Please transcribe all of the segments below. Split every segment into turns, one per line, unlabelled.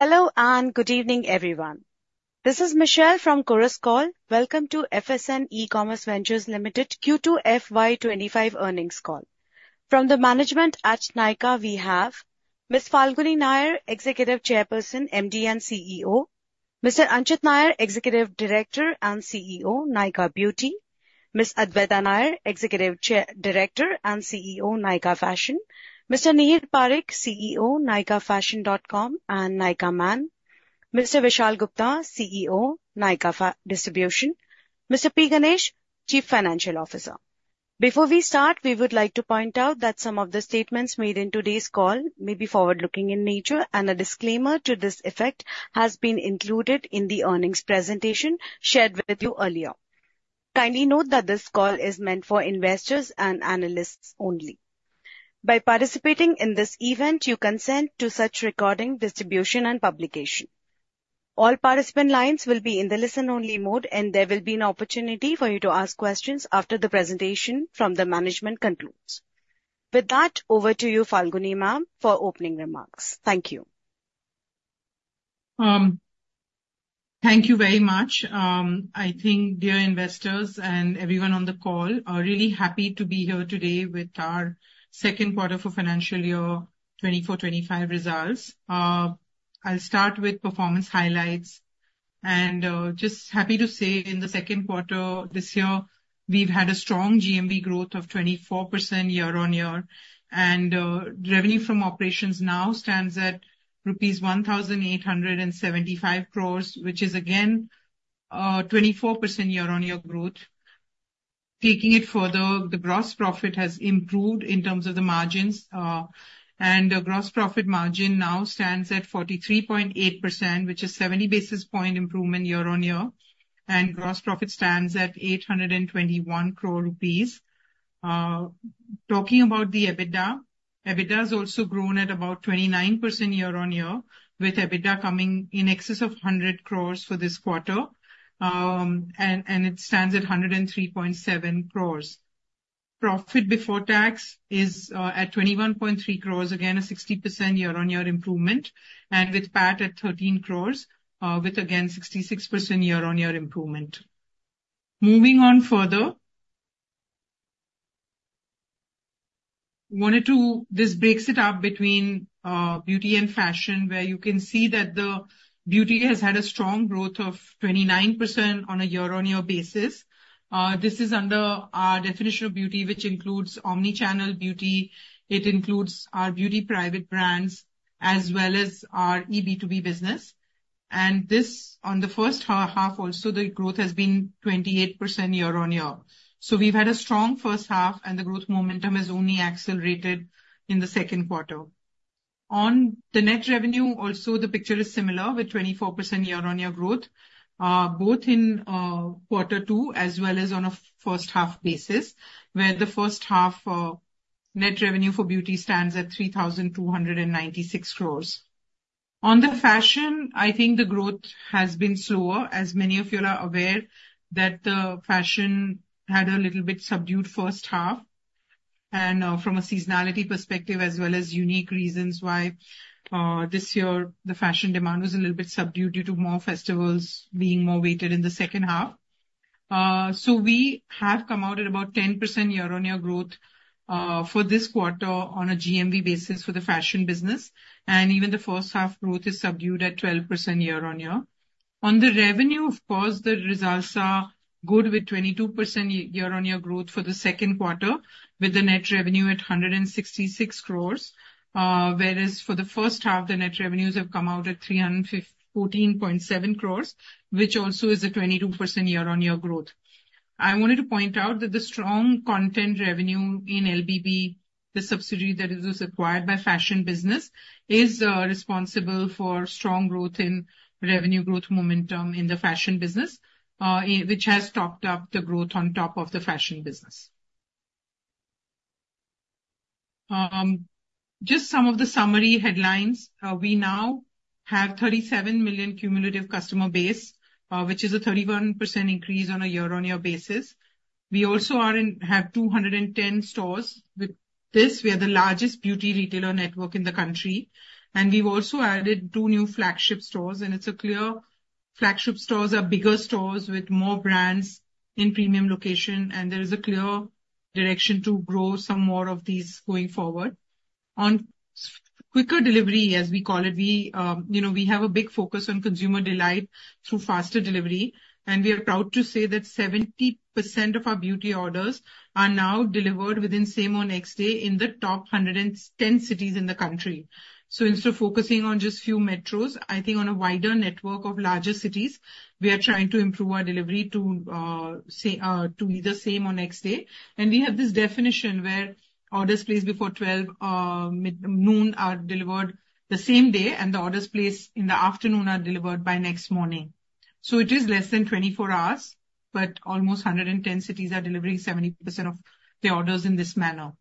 Hello and good evening, everyone. This is Michelle from Chorus Call. Welcome to FSN E-Commerce Ventures Limited Q2 FY 2025 earnings call. From the management at Nykaa, we have Ms. Falguni Nayar, Executive Chairperson, MD and CEO. Mr. Anchit Nayar, Executive Director and CEO, Nykaa Beauty. Ms. Adwaita Nayar, Executive Director and CEO, Nykaa Fashion. Mr. Nihir Parikh, CEO, NykaaFashion.com and Nykaa Man. Mr. Vishal Gupta, CEO, Nykaa Distribution. Mr. P. Ganesh, Chief Financial Officer. Before we start, we would like to point out that some of the statements made in today's call may be forward-looking in nature, and a disclaimer to this effect has been included in the earnings presentation shared with you earlier. Kindly note that this call is meant for investors and analysts only. By participating in this event, you consent to such recording, distribution, and publication. All participant lines will be in the listen-only mode, and there will be an opportunity for you to ask questions after the presentation from the management concludes. With that, over to you, Falguni Ma'am, for opening remarks. Thank you.
Thank you very much. I think, dear investors and everyone on the call are really happy to be here today with our second quarter for financial year 2024-2025 results. I'll start with performance highlights. And just happy to say in the second quarter this year, we've had a strong GMV growth of 24% year-on-year. And revenue from operations now stands at rupees 1,875 crores, which is again 24% year-on-year growth. Taking it further, the gross profit has improved in terms of the margins. And the gross profit margin now stands at 43.8%, which is 70 basis point improvement year-on-year. And gross profit stands at 821 crores rupees. Talking about the EBITDA, EBITDA has also grown at about 29% year-on-year, with EBITDA coming in excess of 100 crores for this quarter. And it stands at 103.7 crores. Profit before tax is at 21.3 crores, again a 60% year-on-year improvement, and with PAT at 13 crores, with again 66% year-on-year improvement. Moving on further, this breaks it up between beauty and fashion, where you can see that the beauty has had a strong growth of 29% on a year-on-year basis. This is under our definition of beauty, which includes Omnichannel Beauty. It includes our beauty private brands as well as our eB2B business. And this, on the first half, also the growth has been 28% year-on-year. So we've had a strong first half, and the growth momentum has only accelerated in the second quarter. On the net revenue, also the picture is similar with 24% year-on-year growth, both in quarter two as well as on a first half basis, where the first half net revenue for beauty stands at 3,296 crores. On the fashion, I think the growth has been slower, as many of you are aware that the fashion had a little bit subdued first half. And from a seasonality perspective, as well as unique reasons why this year, the fashion demand was a little bit subdued due to more festivals being more weighted in the second half. So we have come out at about 10% year-on-year growth for this quarter on a GMV basis for the fashion business. And even the first half growth is subdued at 12% year-on-year. On the revenue, of course, the results are good with 22% year-on-year growth for the second quarter, with the net revenue at 166 crores, whereas for the first half, the net revenues have come out at 314.7 crores, which also is a 22% year-on-year growth. I wanted to point out that the strong content revenue in LBB, the subsidy that is required by fashion business, is responsible for strong growth in revenue growth momentum in the fashion business, which has topped up the growth on top of the fashion business. Just some of the summary headlines. We now have 37 million cumulative customer base, which is a 31% increase on a year-on-year basis. We also have 210 stores. With this, we are the largest beauty retailer network in the country. And we've also added two new flagship stores. It's clear flagship stores are bigger stores with more brands in premium locations. There is a clear direction to grow some more of these going forward. On quicker delivery, as we call it, we have a big focus on consumer delight through faster delivery. We are proud to say that 70% of our beauty orders are now delivered within same or next day in the top 110 cities in the country. Instead of focusing on just a few metros, I think on a wider network of larger cities, we are trying to improve our delivery to either same or next day. We have this definition where orders placed before 12:00 noon are delivered the same day, and the orders placed in the afternoon are delivered by next morning. It is less than 24 hours, but almost 110 cities are delivering 70% of the orders in this manner.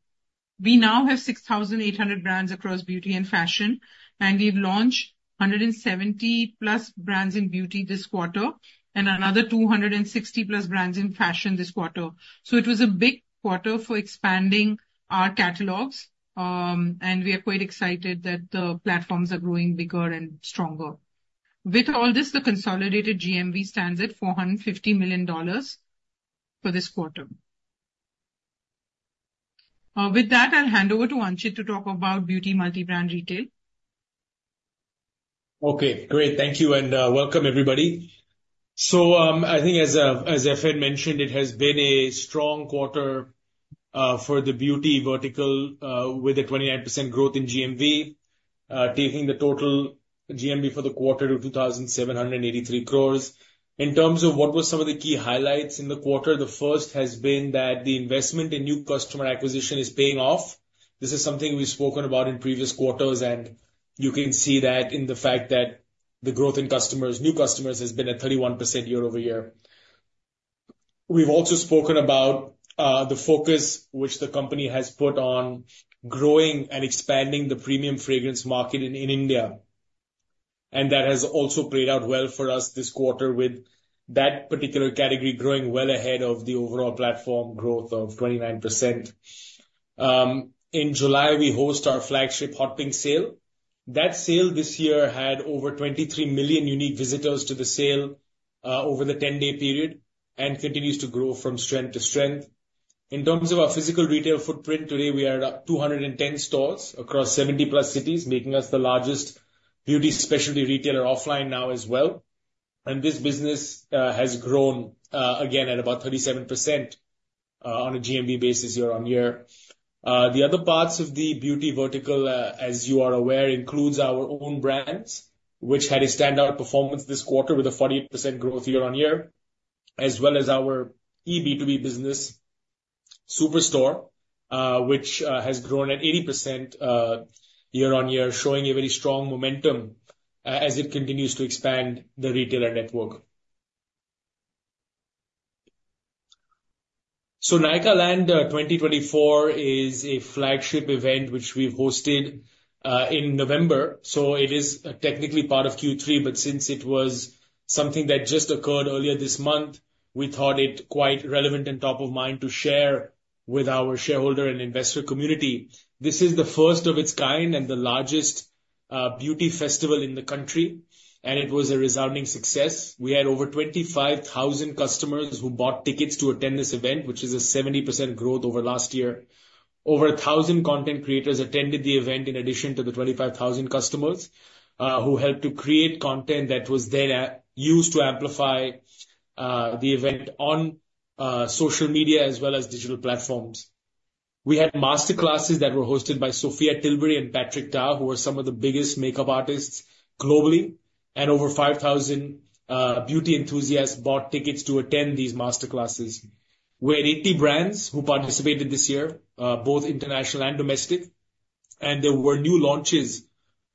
We now have 6,800 brands across beauty and fashion. We have launched 170+ brands in beauty this quarter and another 260+ brands in fashion this quarter. It was a big quarter for expanding our catalogs. We are quite excited that the platforms are growing bigger and stronger. With all this, the consolidated GMV stands at $450 million for this quarter. With that, I'll hand over to Anchit to talk about beauty multi-brand retail.
Okay, great. Thank you and welcome, everybody, so I think, as FN mentioned, it has been a strong quarter for the beauty vertical with a 29% growth in GMV, taking the total GMV for the quarter to 2,783 crores. In terms of what were some of the key highlights in the quarter, the first has been that the investment in new customer acquisition is paying off. This is something we've spoken about in previous quarters and you can see that in the fact that the growth in new customers has been a 31% year-over-year. We've also spoken about the focus which the company has put on growing and expanding the premium fragrance market in India and that has also played out well for us this quarter, with that particular category growing well ahead of the overall platform growth of 29%. In July, we host our flagship Hot Pink Sale. That sale this year had over 23 million unique visitors to the sale over the 10-day period and continues to grow from strength to strength. In terms of our physical retail footprint, today we are at 210 stores across 70 plus cities, making us the largest beauty specialty retailer offline now as well. And this business has grown again at about 37% on a GMV basis year-on-year. The other parts of the beauty vertical, as you are aware, include our own brands, which had a standout performance this quarter with a 48% growth year-on-year, as well as our eB2B business, Superstore, which has grown at 80% year-on-year, showing a very strong momentum as it continues to expand the retailer network. So Nykaaland 2024 is a flagship event which we've hosted in November. It is technically part of Q3, but since it was something that just occurred earlier this month, we thought it quite relevant and top of mind to share with our shareholder and investor community. This is the first of its kind and the largest beauty festival in the country. It was a resounding success. We had over 25,000 customers who bought tickets to attend this event, which is a 70% growth over last year. Over 1,000 content creators attended the event in addition to the 25,000 customers who helped to create content that was then used to amplify the event on social media as well as digital platforms. We had masterclasses that were hosted by Sofia Tilbury and Patrick Ta, who are some of the biggest makeup artists globally. Over 5,000 beauty enthusiasts bought tickets to attend these masterclasses. We had 80 brands who participated this year, both international and domestic, and there were new launches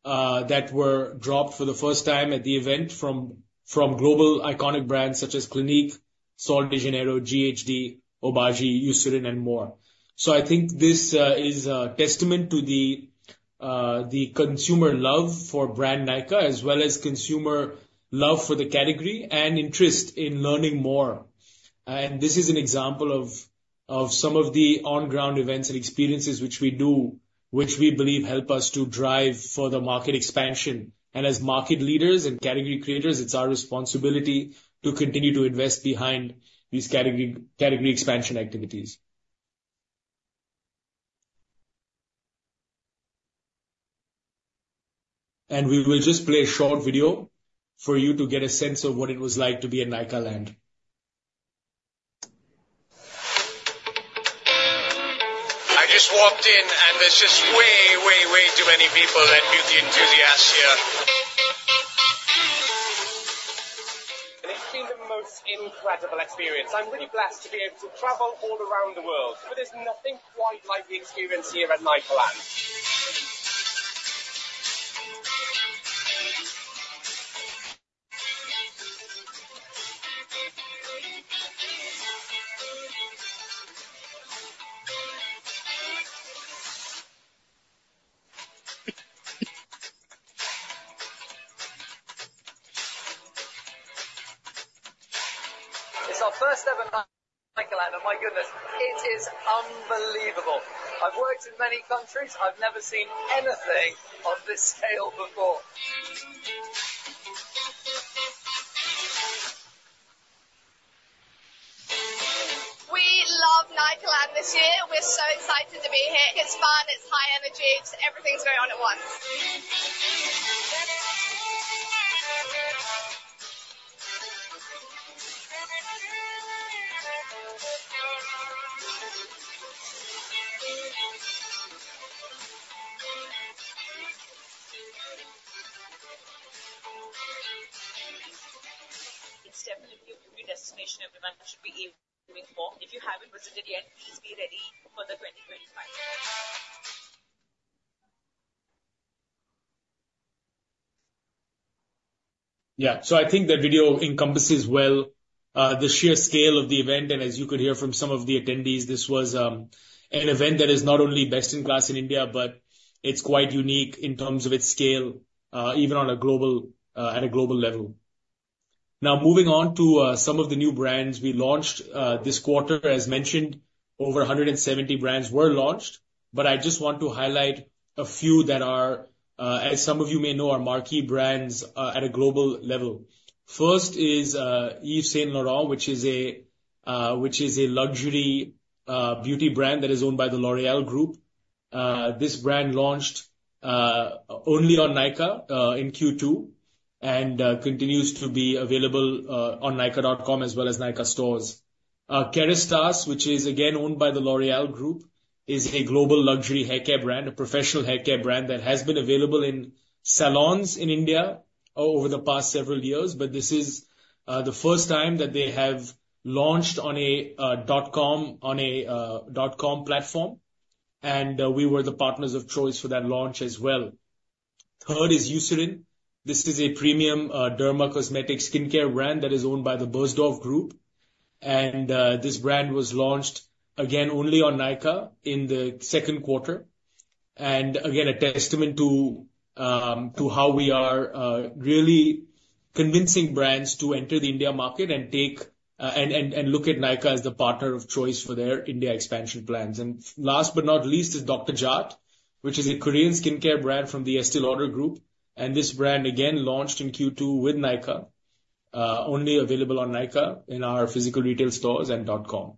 that were dropped for the first time at the event from global iconic brands such as Clinique, Sol de Janeiro, GHD, Obagi, Eucerin, and more, so I think this is a testament to the consumer love for brand Nykaa, as well as consumer love for the category and interest in learning more, and this is an example of some of the on-ground events and experiences which we do, which we believe help us to drive further market expansion, and as market leaders and category creators, it's our responsibility to continue to invest behind these category expansion activities, and we will just play a short video for you to get a sense of what it was like to be at Nykaaland. I just walked in, and there's just way, way, way too many people and beauty enthusiasts here. This is the most incredible experience. I'm really blessed to be able to travel all around the world, but there's nothing quite like the experience here at Nykaaland. It's our first ever Nykaaland. Oh my goodness, it is unbelievable. I've worked in many countries. I've never seen anything of this scale before. We love Nykaaland this year. We're so excited to be here. It's fun. It's high energy. Everything's going on at once. It's definitely a dream destination everyone should be aiming for. If you haven't visited yet, please be ready for the 2025. Yeah, so I think the video encompasses well the sheer scale of the event, and as you could hear from some of the attendees, this was an event that is not only best in class in India, but it's quite unique in terms of its scale, even on a global level. Now, moving on to some of the new brands we launched this quarter, as mentioned, over 170 brands were launched. But I just want to highlight a few that are, as some of you may know, our marquee brands at a global level. First is Yves Saint Laurent, which is a luxury beauty brand that is owned by the L'Oréal Group. This brand launched only on Nykaa in Q2 and continues to be available on nykaa.com as well as Nykaa stores. Kérastase, which is again owned by the L'Oréal Group, is a global luxury haircare brand, a professional haircare brand that has been available in salons in India over the past several years, but this is the first time that they have launched on a .com platform, and we were the partners of choice for that launch as well. Third is Eucerin. This is a premium derma cosmetic skincare brand that is owned by the Beiersdorf Group, and this brand was launched again only on Nykaa in the second quarter, and again, a testament to how we are really convincing brands to enter the India market and look at Nykaa as the partner of choice for their India expansion plans, and last but not least is Dr. Jart+, which is a Korean skincare brand from the Estée Lauder Group. And this brand, again, launched in Q2 with Nykaa, only available on Nykaa in our physical retail stores and .com.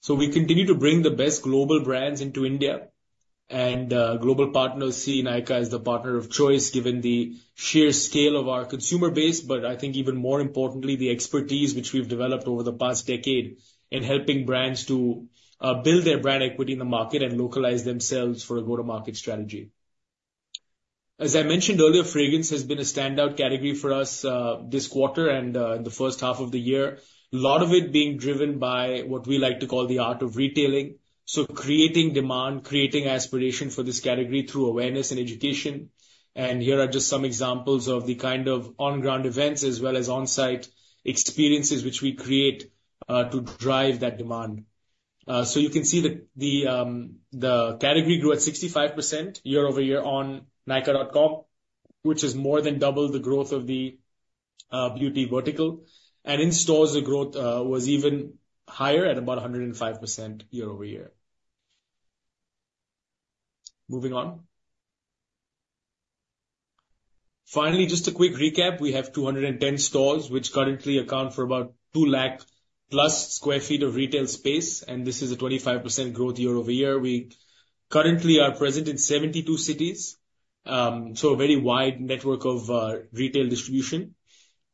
So we continue to bring the best global brands into India. And global partners see Nykaa as the partner of choice, given the sheer scale of our consumer base. But I think, even more importantly, the expertise which we've developed over the past decade in helping brands to build their brand equity in the market and localize themselves for a go-to-market strategy. As I mentioned earlier, fragrance has been a standout category for us this quarter and in the first half of the year, a lot of it being driven by what we like to call the art of retailing. So creating demand, creating aspiration for this category through awareness and education. Here are just some examples of the kind of on-ground events as well as on-site experiences which we create to drive that demand. You can see the category grew at 65% year-over-year on Nykaa.com, which is more than double the growth of the beauty vertical. In stores, the growth was even higher at about 105% year-over-year. Moving on. Finally, just a quick recap. We have 210 stores, which currently account for about 2 lakh plus sq ft of retail space. This is a 25% growth year-over-year. We currently are present in 72 cities, so a very wide network of retail distribution.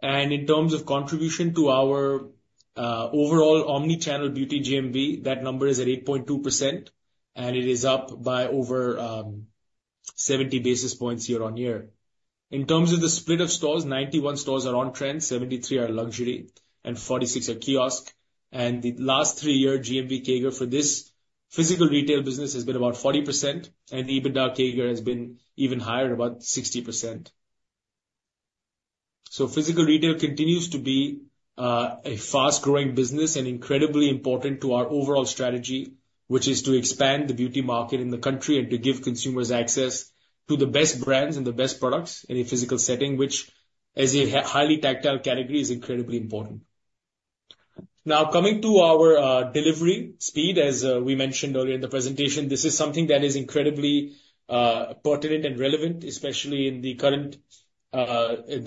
In terms of contribution to our overall Omnichannel Beauty GMV, that number is at 8.2%. It is up by over 70 basis points year-on-year. In terms of the split of stores, 91 stores are on-trend, 73 are luxury, and 46 are kiosk. The last three-year GMV CAGR for this physical retail business has been about 40%. The EBITDA CAGR has been even higher, about 60%. Physical retail continues to be a fast-growing business and incredibly important to our overall strategy, which is to expand the beauty market in the country and to give consumers access to the best brands and the best products in a physical setting, which, as a highly tactile category, is incredibly important. Now, coming to our delivery speed, as we mentioned earlier in the presentation, this is something that is incredibly pertinent and relevant, especially in the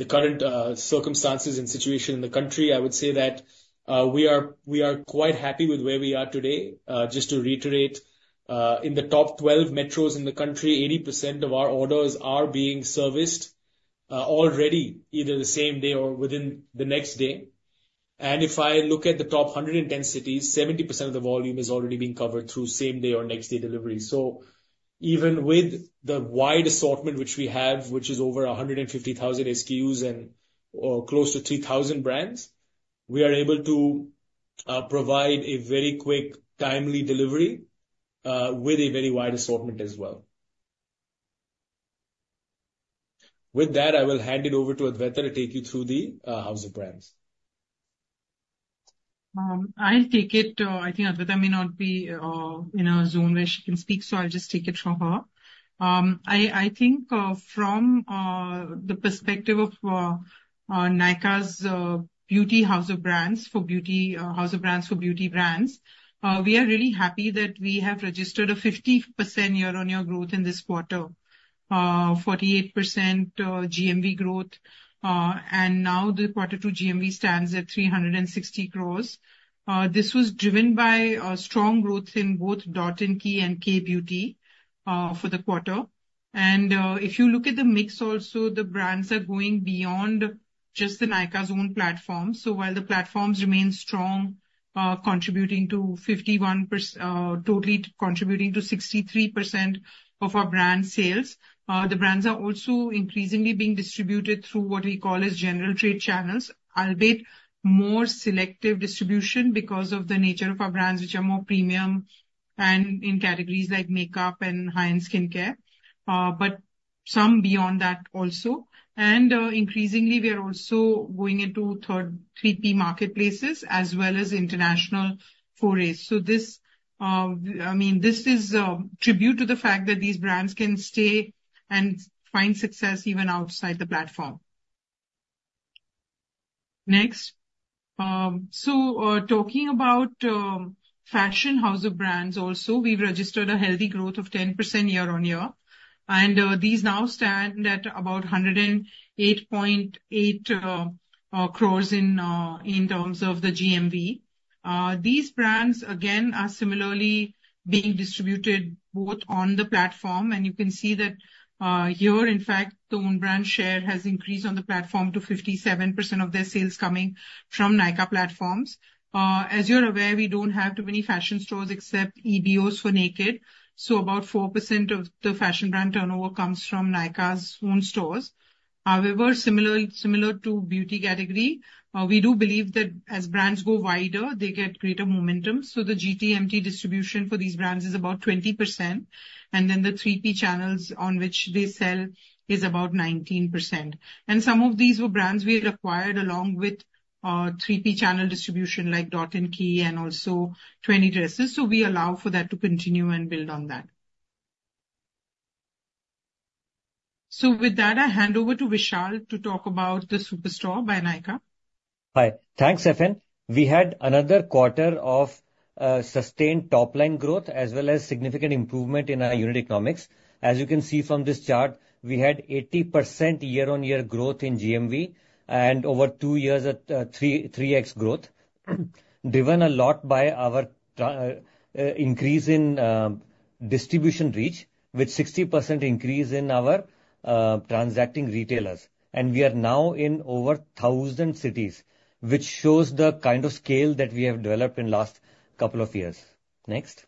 current circumstances and situation in the country. I would say that we are quite happy with where we are today. Just to reiterate, in the top 12 metros in the country, 80% of our orders are being serviced already either the same day or within the next day. And if I look at the top 110 cities, 70% of the volume is already being covered through same-day or next-day delivery. So even with the wide assortment which we have, which is over 150,000 SKUs and close to 3,000 brands, we are able to provide a very quick, timely delivery with a very wide assortment as well. With that, I will hand it over to Adwaita to take you through the House of Brands.
I'll take it. I think Adwaita may not be in a zone where she can speak, so I'll just take it from her. I think from the perspective of Nykaa's Beauty House of Brands for Beauty House of Brands for Beauty Brands, we are really happy that we have registered a 50% year-on-year growth in this quarter, 48% GMV growth, and now the quarter two GMV stands at 360 crores. This was driven by strong growth in both Dot & Key and Kay Beauty for the quarter, and if you look at the mix, also the brands are going beyond just the Nykaa's own platform. So while the platforms remain strong, contributing to 51%, totally contributing to 63% of our brand sales, the brands are also increasingly being distributed through what we call as general trade channels, I will bit more selective distribution because of the nature of our brands, which are more premium and in categories like makeup and high-end skincare, but some beyond that also. And increasingly, we are also going into third, 3P marketplaces as well as international forays. So I mean, this is a tribute to the fact that these brands can stay and find success even outside the platform. Next. So talking about Fashion House of Brands, also we've registered a healthy growth of 10% year-on-year. And these now stand at about 108.8 crores in terms of the GMV. These brands, again, are similarly being distributed both on the platform. You can see that here. In fact, the own brand share has increased on the platform to 57% of their sales coming from Nykaa platforms. As you're aware, we don't have too many fashion stores except EBOs for Nykd. About 4% of the fashion brand turnover comes from Nykaa's own stores. However, similar to beauty category, we do believe that as brands go wider, they get greater momentum. The GT/MT distribution for these brands is about 20%. Then the 3P channels on which they sell is about 19%. Some of these were brands we had acquired along with 3P channel distribution like Dot & Key and also 20 Dresses. We allow for that to continue and build on that. With that, I hand over to Vishal to talk about the Superstore by Nykaa.
Hi. Thanks, Falguni. We had another quarter of sustained top-line growth as well as significant improvement in our unit economics. As you can see from this chart, we had 80% year-on-year growth in GMV and over two years at 3X growth, driven a lot by our increase in distribution reach with 60% increase in our transacting retailers. And we are now in over 1,000 cities, which shows the kind of scale that we have developed in the last couple of years. Next.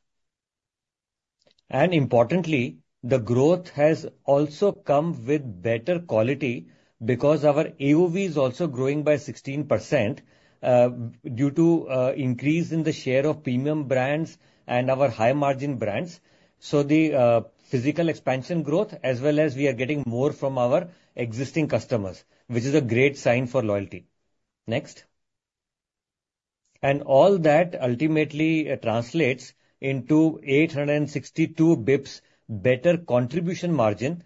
And importantly, the growth has also come with better quality because our AOV is also growing by 16% due to increase in the share of premium brands and our high-margin brands. So the physical expansion growth, as well as we are getting more from our existing customers, which is a great sign for loyalty. Next. And all that ultimately translates into 862 basis points better contribution margin,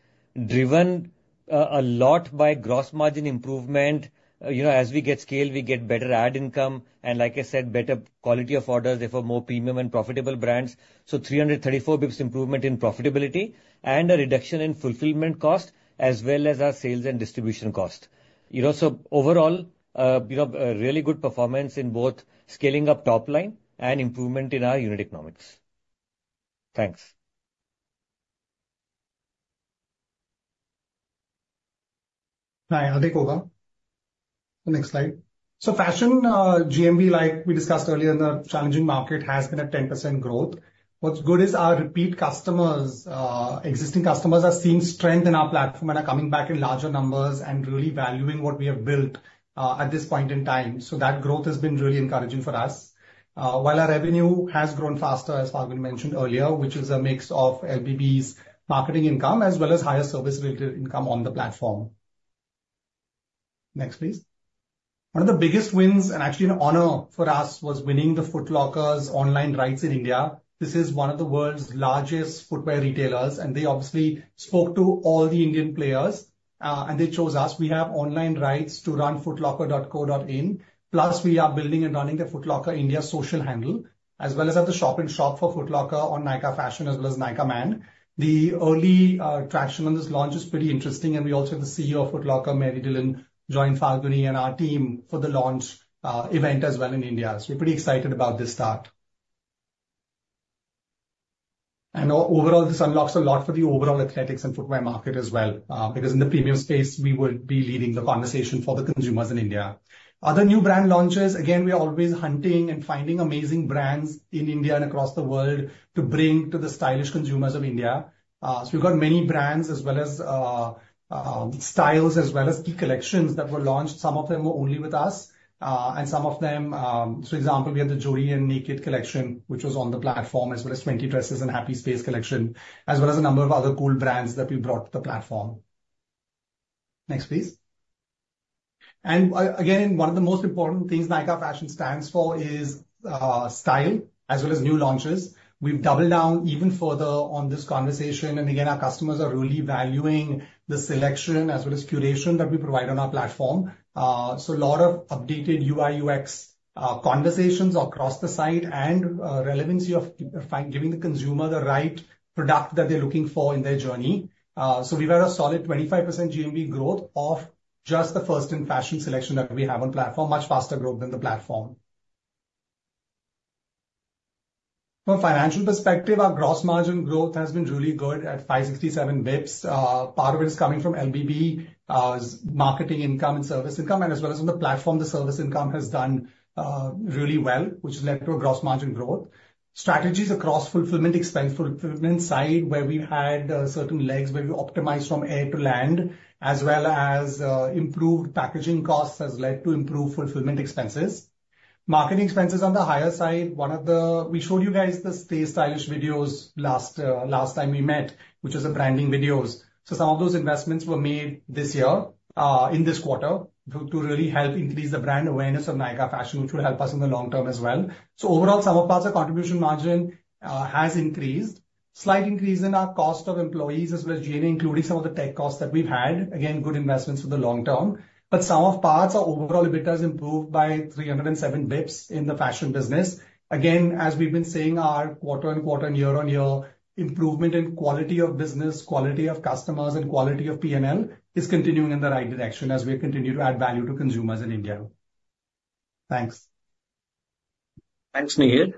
driven a lot by gross margin improvement. As we get scale, we get better ad income. And like I said, better quality of orders for more premium and profitable brands. So 334 basis points improvement in profitability and a reduction in fulfillment cost, as well as our sales and distribution cost. So overall, really good performance in both scaling up top-line and improvement in our unit economics. Thanks.
Hi, Adwaita Nayar. Next slide. So fashion GMV, like we discussed earlier, in the challenging market has been at 10% growth. What's good is our repeat customers, existing customers are seeing strength in our platform and are coming back in larger numbers and really valuing what we have built at this point in time. So that growth has been really encouraging for us. While our revenue has grown faster, as Falguni mentioned earlier, which is a mix of LBB's marketing income as well as higher service-related income on the platform. Next, please. One of the biggest wins and actually an honor for us was winning the Foot Locker's online rights in India. This is one of the world's largest footwear retailers. And they obviously spoke to all the Indian players. And they chose us. We have online rights to run footlocker.co.in. Plus, we are building and running the Foot Locker India social handle, as well as have the shop-in-shop for Foot Locker on Nykaa Fashion as well as Nykaa Man. The early traction on this launch is pretty interesting. And we also have the CEO of Foot Locker, Mary Dillon, join Falguni and our team for the launch event as well in India. So we're pretty excited about this start. And overall, this unlocks a lot for the overall athletics and footwear market as well, because in the premium space, we would be leading the conversation for the consumers in India. Other new brand launches, again, we're always hunting and finding amazing brands in India and across the world to bring to the stylish consumers of India. So we've got many brands as well as styles as well as key collections that were launched. Some of them were only with us. And some of them, for example, we have the Jodi and Nykd collection, which was on the platform, as well as 20 Dresses and Happy Space collection, as well as a number of other cool brands that we brought to the platform. Next, please. And again, one of the most important things Nykaa Fashion stands for is style as well as new launches. We've doubled down even further on this conversation. And again, our customers are really valuing the selection as well as curation that we provide on our platform. So a lot of updated UI/UX conversations across the site and relevancy of giving the consumer the right product that they're looking for in their journey. So we've had a solid 25% GMV growth off just the first-in-fashion selection that we have on platform, much faster growth than the platform. From a financial perspective, our gross margin growth has been really good at 567 basis points. Part of it is coming from LBB marketing income and service income, and as well as on the platform, the service income has done really well, which has led to a gross margin growth. Strategies across fulfillment, expense fulfillment side, where we've had certain legs where we optimized from air to land, as well as improved packaging costs has led to improved fulfillment expenses. Marketing expenses on the higher side. One of the we showed you guys the Stay Stylish videos last time we met, which was the branding videos. So some of those investments were made this year in this quarter to really help increase the brand awareness of Nykaa Fashion, which will help us in the long term as well. Overall, some of our contribution margin has increased, slight increase in our cost of employees as well as G&A, including some of the tech costs that we've had. Again, good investments for the long term. But some parts overall have improved a bit by 307 basis points in the fashion business. Again, as we've been saying, our quarter on quarter and year-on-year improvement in quality of business, quality of customers, and quality of P&L is continuing in the right direction as we continue to add value to consumers in India. Thanks.
Thanks, Nihir.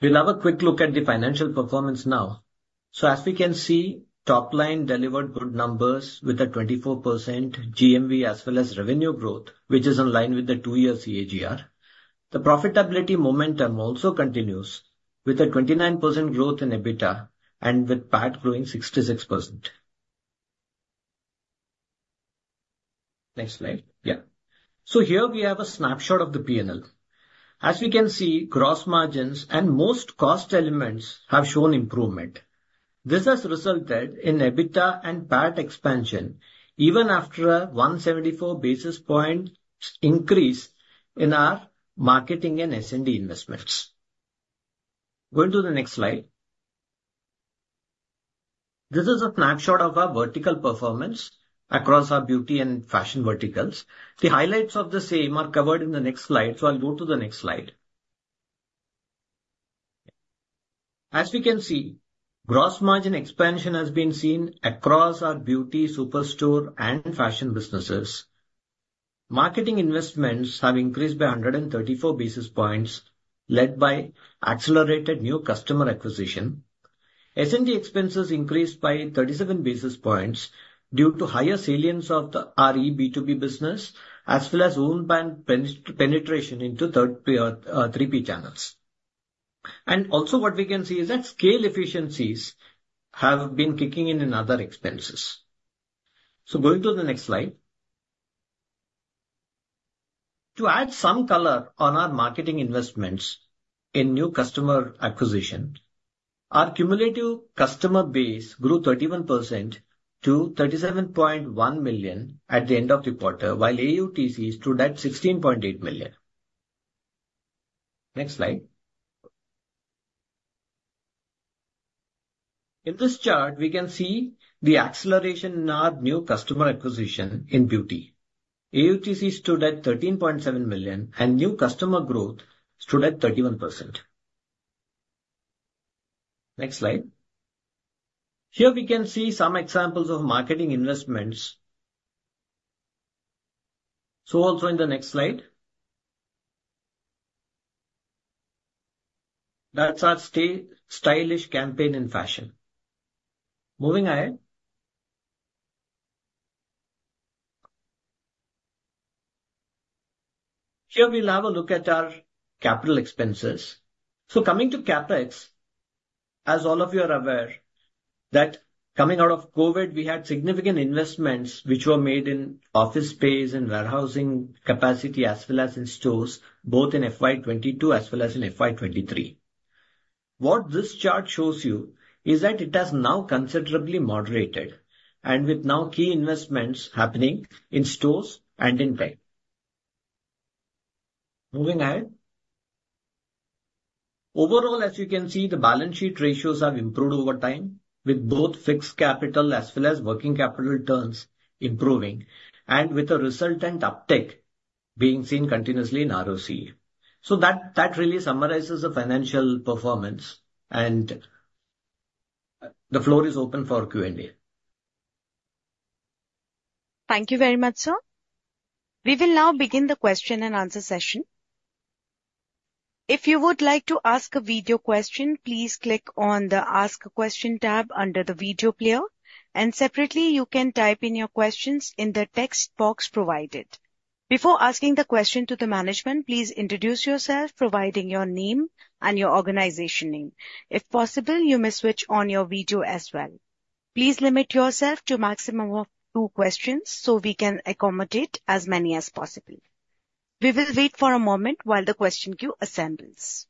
We'll have a quick look at the financial performance now. So as we can see, top-line delivered good numbers with a 24% GMV as well as revenue growth, which is in line with the two-year CAGR. The profitability momentum also continues with a 29% growth in EBITDA and with PAT growing 66%. Next slide. Yeah. So here we have a snapshot of the P&L. As we can see, gross margins and most cost elements have shown improvement. This has resulted in EBITDA and PAT expansion even after a 174 basis point increase in our marketing and S&D investments. Going to the next slide. This is a snapshot of our vertical performance across our beauty and fashion verticals. The highlights of the same are covered in the next slide. So I'll go to the next slide. As we can see, gross margin expansion has been seen across our beauty superstore and fashion businesses. Marketing investments have increased by 134 basis points led by accelerated new customer acquisition. S&D expenses increased by 37 basis points due to higher salience of the eB2B business as well as own brand penetration into 3P channels. And also what we can see is that scale efficiencies have been kicking in in other expenses. So going to the next slide. To add some color on our marketing investments in new customer acquisition, our cumulative customer base grew 31% to 37.1 million at the end of the quarter, while AUTC stood at 16.8 million. Next slide. In this chart, we can see the acceleration in our new customer acquisition in beauty. AUTC stood at 13.7 million and new customer growth stood at 31%. Next slide. Here we can see some examples of marketing investments. So also in the next slide. That's our Stay Stylish campaign in fashion. Moving ahead. Here we'll have a look at our capital expenses. So coming to CapEx, as all of you are aware, that coming out of COVID, we had significant investments which were made in office space and warehousing capacity as well as in stores, both in FY 2022 as well as in FY 2023. What this chart shows you is that it has now considerably moderated and with now key investments happening in stores and in tech. Moving ahead. Overall, as you can see, the balance sheet ratios have improved over time with both fixed capital as well as working capital returns improving and with a resultant uptick being seen continuously in ROC. So that really summarizes the financial performance and the floor is open for Q&A.
Thank you very much, sir. We will now begin the question-and-answer session. If you would like to ask a video question, please click on the Ask a Question tab under the video player, and separately, you can type in your questions in the text box provided. Before asking the question to the management, please introduce yourself, providing your name and your organization name. If possible, you may switch on your video as well. Please limit yourself to a maximum of two questions so we can accommodate as many as possible. We will wait for a moment while the question queue assembles.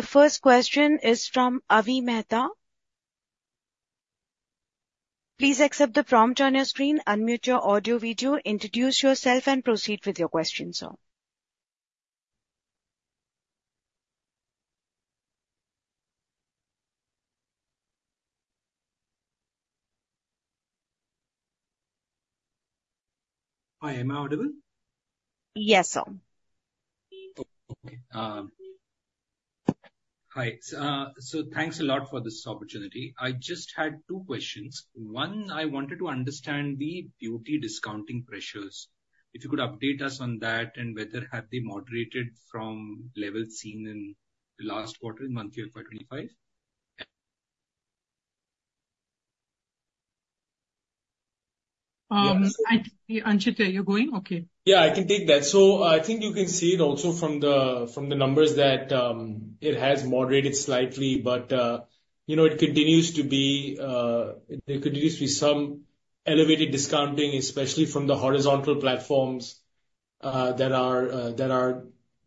The first question is from Avi Mehta. Please accept the prompt on your screen, unmute your audio video, introduce yourself, and proceed with your question, sir. Hi, am I audible? Yes, sir. Okay. Hi. So thanks a lot for this opportunity. I just had two questions. One, I wanted to understand the beauty discounting pressures. If you could update us on that and whether it had been moderated from levels seen in the last quarter in monthly FY 2025.
Anchit, you're going? Okay.
Yeah, I can take that. So I think you can see it also from the numbers that it has moderated slightly, but it continues to be some elevated discounting, especially from the horizontal platforms that are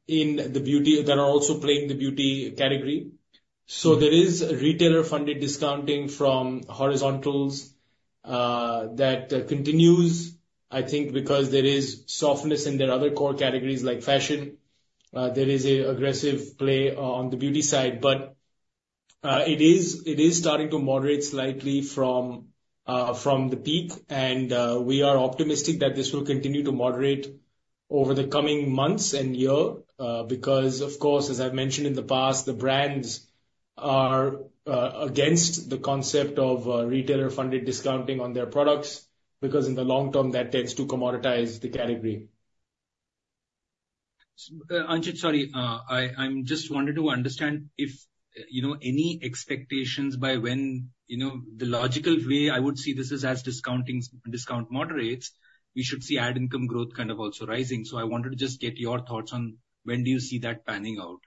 in the beauty that are also playing the beauty category. So there is retailer-funded discounting from horizontals that continues, I think, because there is softness in their other core categories like fashion. There is an aggressive play on the beauty side, but it is starting to moderate slightly from the peak. And we are optimistic that this will continue to moderate over the coming months and year because, of course, as I've mentioned in the past, the brands are against the concept of retailer-funded discounting on their products because in the long term, that tends to commoditize the category. Anchit, sorry. I just wanted to understand if any expectations by when the logical way I would see this is as discount moderates, we should see ad income growth kind of also rising, so I wanted to just get your thoughts on when do you see that panning out?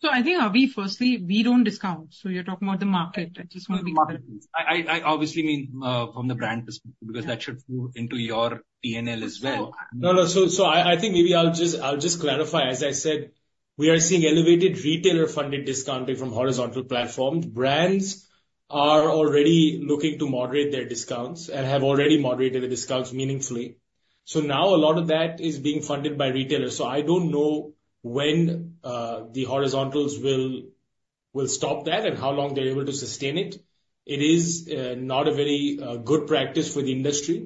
So I think, Avi, firstly, we don't discount. So you're talking about the market. I just want to be clear. I obviously mean from the brand perspective because that should flow into your P&L as well.
No, no. So I think maybe I'll just clarify. As I said, we are seeing elevated retailer-funded discounting from horizontal platforms. Brands are already looking to moderate their discounts and have already moderated the discounts meaningfully. So now a lot of that is being funded by retailers. So I don't know when the horizontals will stop that and how long they're able to sustain it. It is not a very good practice for the industry.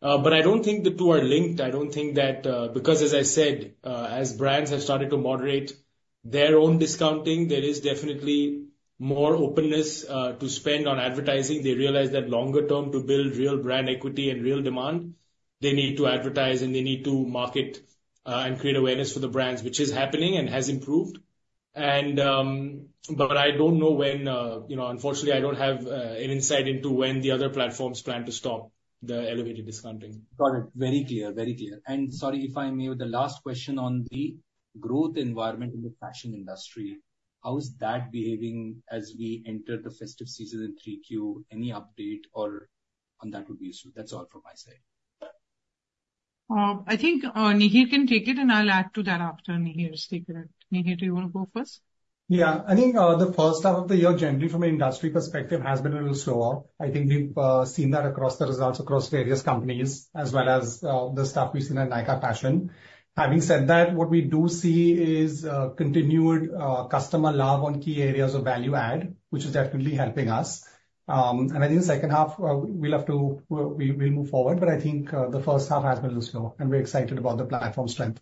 But I don't think the two are linked. I don't think that because, as I said, as brands have started to moderate their own discounting, there is definitely more openness to spend on advertising. They realize that longer term to build real brand equity and real demand, they need to advertise and they need to market and create awareness for the brands, which is happening and has improved. But I don't know when, unfortunately, I don't have an insight into when the other platforms plan to stop the elevated discounting. Got it. Very clear. Very clear. And sorry if I may, the last question on the growth environment in the fashion industry. How is that behaving as we enter the festive season in Q3? Any update on that would be useful. That's all from my side.
I think Nihir can take it, and I'll add to that after Nihir is taking it. Nihir, do you want to go first?
Yeah. I think the first half of the year, generally from an industry perspective, has been a little slower. I think we've seen that across the results across various companies as well as the stuff we've seen at Nykaa Fashion. Having said that, what we do see is continued customer love on key areas of value add, which is definitely helping us. And I think the second half, we'll have to move forward, but I think the first half has been a little slower, and we're excited about the platform strength.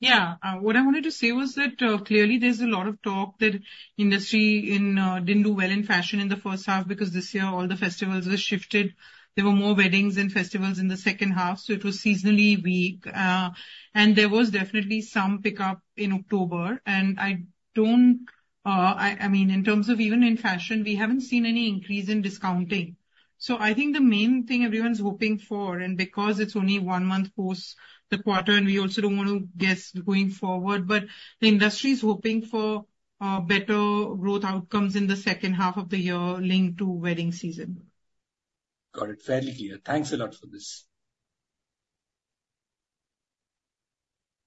Yeah. What I wanted to say was that clearly there's a lot of talk that the industry didn't do well in fashion in the first half because this year all the festivals were shifted. There were more weddings and festivals in the second half, so it was seasonally weak. And there was definitely some pickup in October. And I don't, I mean, in terms of even in fashion, we haven't seen any increase in discounting. So I think the main thing everyone's hoping for, and because it's only one month post the quarter, and we also don't want to guess going forward, but the industry is hoping for better growth outcomes in the second half of the year linked to wedding season. Got it. Fairly clear. Thanks a lot for this.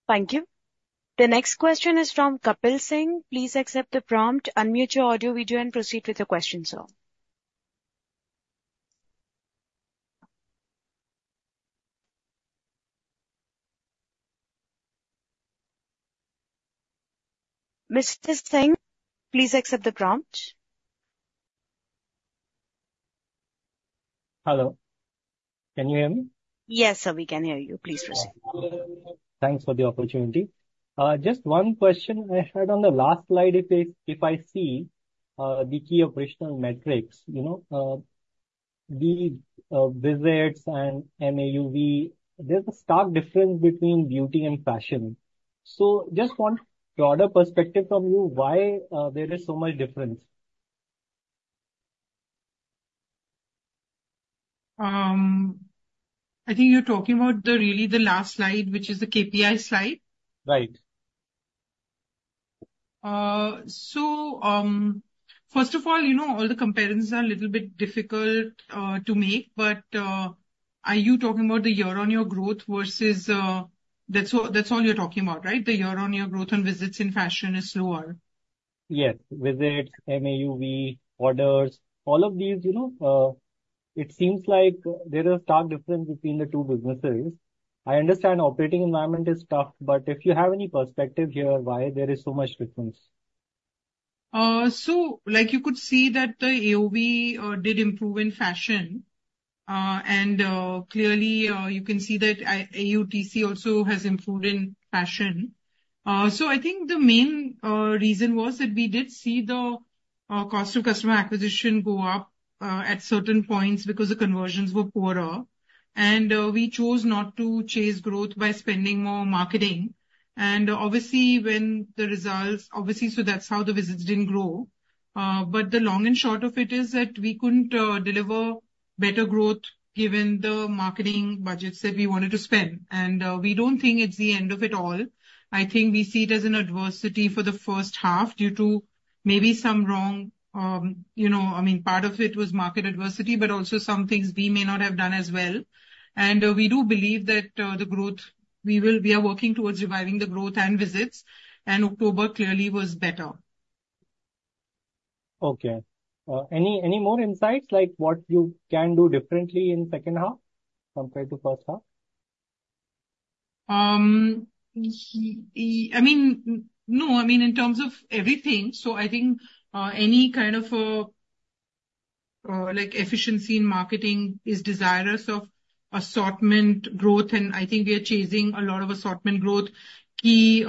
Thank you. The next question is from Kapil Singh. Please accept the prompt, unmute your audio video, and proceed with the question, sir. Mr. Singh, please accept the prompt. Hello. Can you hear me?
Yes, sir. We can hear you. Please proceed. Thanks for the opportunity. Just one question I had on the last slide. If I see the key operational metrics, the visits and MAUV, there's a stark difference between beauty and fashion. So just one broader perspective from you, why there is so much difference? I think you're talking about really the last slide, which is the KPI slide. Right. First of all, all the comparisons are a little bit difficult to make, but are you talking about the year-on-year growth versus that's all you're talking about, right? The year-on-year growth and visits in fashion is slower. Yes. Visits, MAUV, orders, all of these, it seems like there is a stark difference between the two businesses. I understand operating environment is tough, but if you have any perspective here why there is so much difference? So you could see that the AOV did improve in fashion. And clearly, you can see that AUTC also has improved in fashion. So I think the main reason was that we did see the cost of customer acquisition go up at certain points because the conversions were poorer. And we chose not to chase growth by spending more marketing. And obviously, when the results, so that's how the visits didn't grow. But the long and short of it is that we couldn't deliver better growth given the marketing budgets that we wanted to spend. And we don't think it's the end of it all. I think we see it as an adversity for the first half due to maybe some wrong I mean, part of it was market adversity, but also some things we may not have done as well. We do believe that the growth we are working towards reviving the growth and visits. October clearly was better. Okay. Any more insights like what you can do differently in second half compared to first half? I mean, no. I mean, in terms of everything, so I think any kind of efficiency in marketing is desirous of assortment growth. And I think we are chasing a lot of assortment growth, key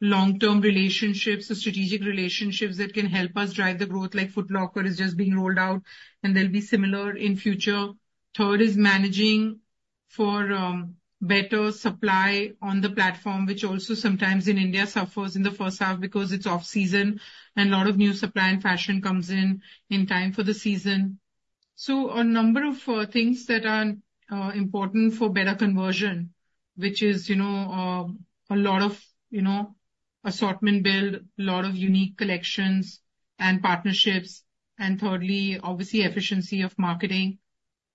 long-term relationships, strategic relationships that can help us drive the growth. Like Foot Locker is just being rolled out, and there'll be similar in future. Third is managing for better supply on the platform, which also sometimes in India suffers in the first half because it's off-season and a lot of new supply and fashion comes in in time for the season. So a number of things that are important for better conversion, which is a lot of assortment build, a lot of unique collections and partnerships. And thirdly, obviously, efficiency of marketing.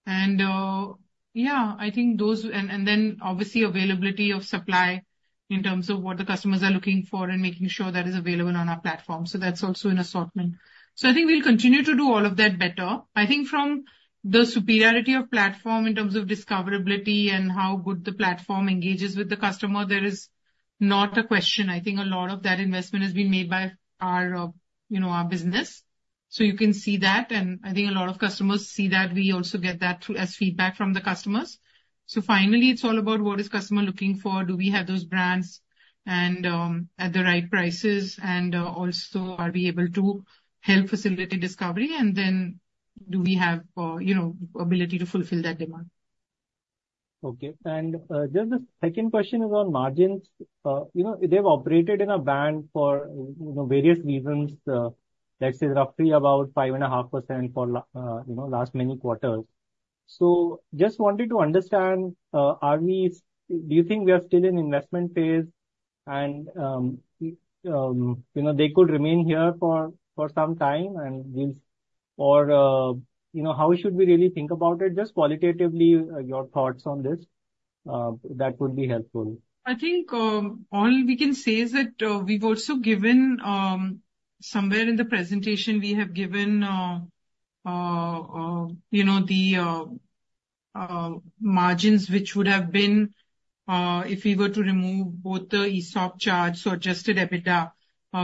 And yeah, I think those, and then obviously availability of supply in terms of what the customers are looking for and making sure that is available on our platform, so that's also in assortment, so I think we'll continue to do all of that better. I think from the superiority of platform in terms of discoverability and how good the platform engages with the customer, there is not a question. I think a lot of that investment has been made by our business, so you can see that. And I think a lot of customers see that. We also get that as feedback from the customers, so finally, it's all about what is customer looking for? Do we have those brands at the right prices? And also, are we able to help facilitate discovery? And then do we have ability to fulfill that demand? Okay. And just the second question is on margins. They've operated in a band for various reasons. Let's say roughly about 5.5% for last many quarters. So just wanted to understand, do you think we are still in investment phase? And they could remain here for some time? And how should we really think about it? Just qualitatively, your thoughts on this, that would be helpful. I think all we can say is that we've also given somewhere in the presentation, we have given the margins which would have been if we were to remove both the ESOP charge, so Adjusted EBITDA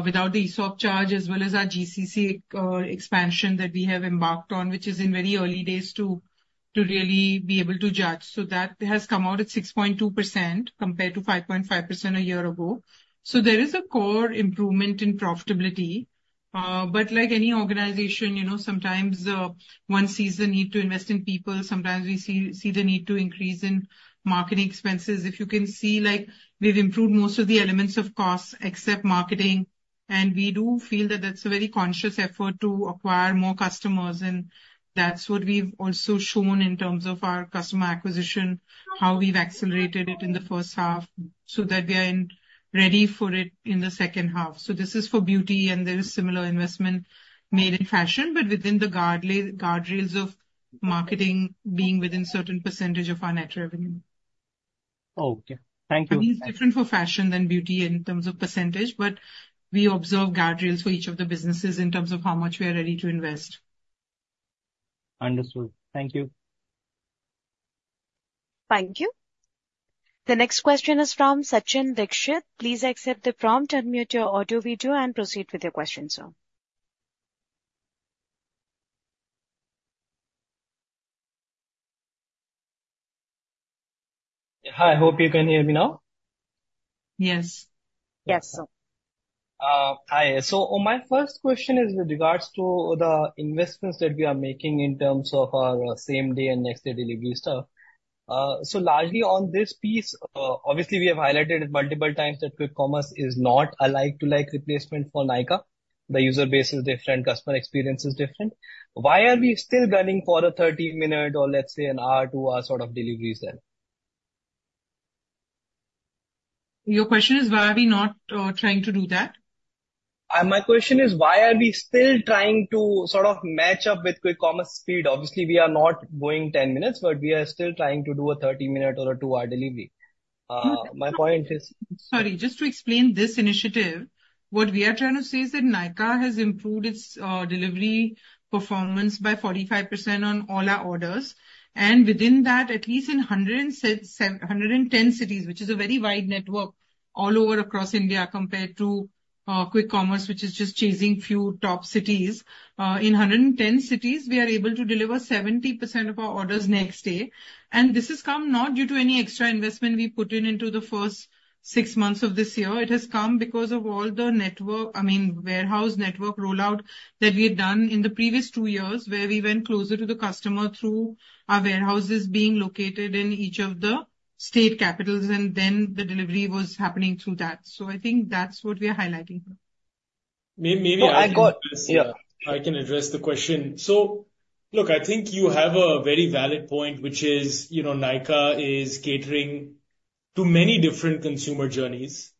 without the ESOP charge as well as our GCC expansion that we have embarked on, which is in very early days to really be able to judge, so that has come out at 6.2% compared to 5.5% a year ago, so there is a core improvement in profitability, but like any organization, sometimes one sees the need to invest in people. Sometimes we see the need to increase in marketing expenses. If you can see, we've improved most of the elements of costs except marketing, and we do feel that that's a very conscious effort to acquire more customers. That's what we've also shown in terms of our customer acquisition, how we've accelerated it in the first half so that we are ready for it in the second half. This is for beauty, and there is similar investment made in fashion, but within the guardrails of marketing being within a certain percentage of our net revenue. Okay. Thank you. But it's different for fashion than beauty in terms of percentage. But we observe guardrails for each of the businesses in terms of how much we are ready to invest. Understood. Thank you.
Thank you. The next question is from Sachin Dixit. Please accept the prompt, unmute your audio video, and proceed with your question, sir. Hi. I hope you can hear me now.
Yes. Yes, sir. Hi. So my first question is with regards to the investments that we are making in terms of our same-day and next-day delivery stuff. So largely on this piece, obviously, we have highlighted it multiple times that Quick Commerce is not a like-for-like replacement for Nykaa. The user base is different. Customer experience is different. Why are we still running for a 30-minute or, let's say, an hour, two-hour sort of deliveries then? Your question is, why are we not trying to do that? My question is, why are we still trying to sort of match up with Quick Commerce speed? Obviously, we are not going 10 minutes, but we are still trying to do a 30-minute or a two-hour delivery. My point is. Sorry. Just to explain this initiative, what we are trying to say is that Nykaa has improved its delivery performance by 45% on all our orders. And within that, at least in 110 cities, which is a very wide network all over across India compared to Quick Commerce, which is just chasing few top cities. In 110 cities, we are able to deliver 70% of our orders next day. And this has come not due to any extra investment we put in into the first six months of this year. It has come because of all the network, I mean, warehouse network rollout that we had done in the previous two years where we went closer to the customer through our warehouses being located in each of the state capitals, and then the delivery was happening through that. So I think that's what we are highlighting here.
Maybe I can.
I got.
Yeah. I can address the question. So look, I think you have a very valid point, which is Nykaa is catering to many different consumer journeys.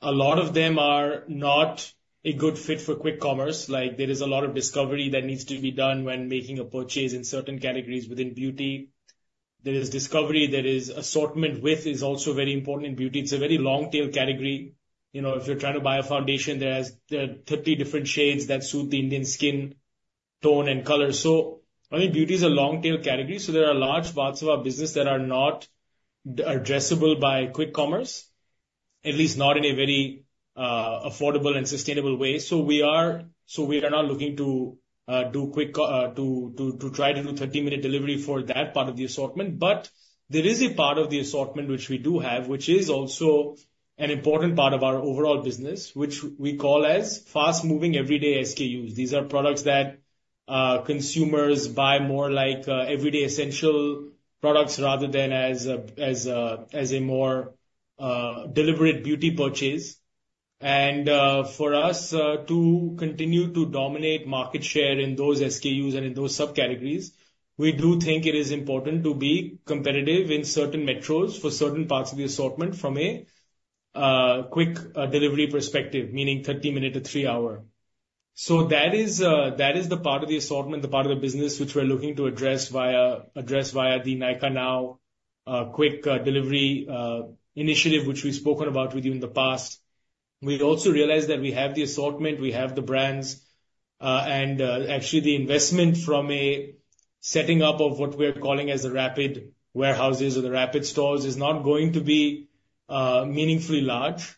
A lot of them are not a good fit for Quick Commerce. There is a lot of discovery that needs to be done when making a purchase in certain categories within beauty. There is discovery. There is assortment which is also very important in beauty. It's a very long-tail category. If you're trying to buy a foundation, there are 30 different shades that suit the Indian skin tone and color. So I think beauty is a long-tail category. So there are large parts of our business that are not addressable by Quick Commerce, at least not in a very affordable and sustainable way. So we are not looking to do Quick Commerce to try to do 30-minute delivery for that part of the assortment. But there is a part of the assortment which we do have, which is also an important part of our overall business, which we call as fast-moving everyday SKUs. These are products that consumers buy more like everyday essential products rather than as a more deliberate beauty purchase. And for us to continue to dominate market share in those SKUs and in those subcategories, we do think it is important to be competitive in certain metros for certain parts of the assortment from a quick delivery perspective, meaning 30-minute to three-hour. So that is the part of the assortment, the part of the business which we're looking to address via the Nykaa Now quick delivery initiative, which we've spoken about with you in the past. We also realize that we have the assortment. We have the brands. Actually, the investment from a setting up of what we're calling as the rapid warehouses or the rapid stores is not going to be meaningfully large.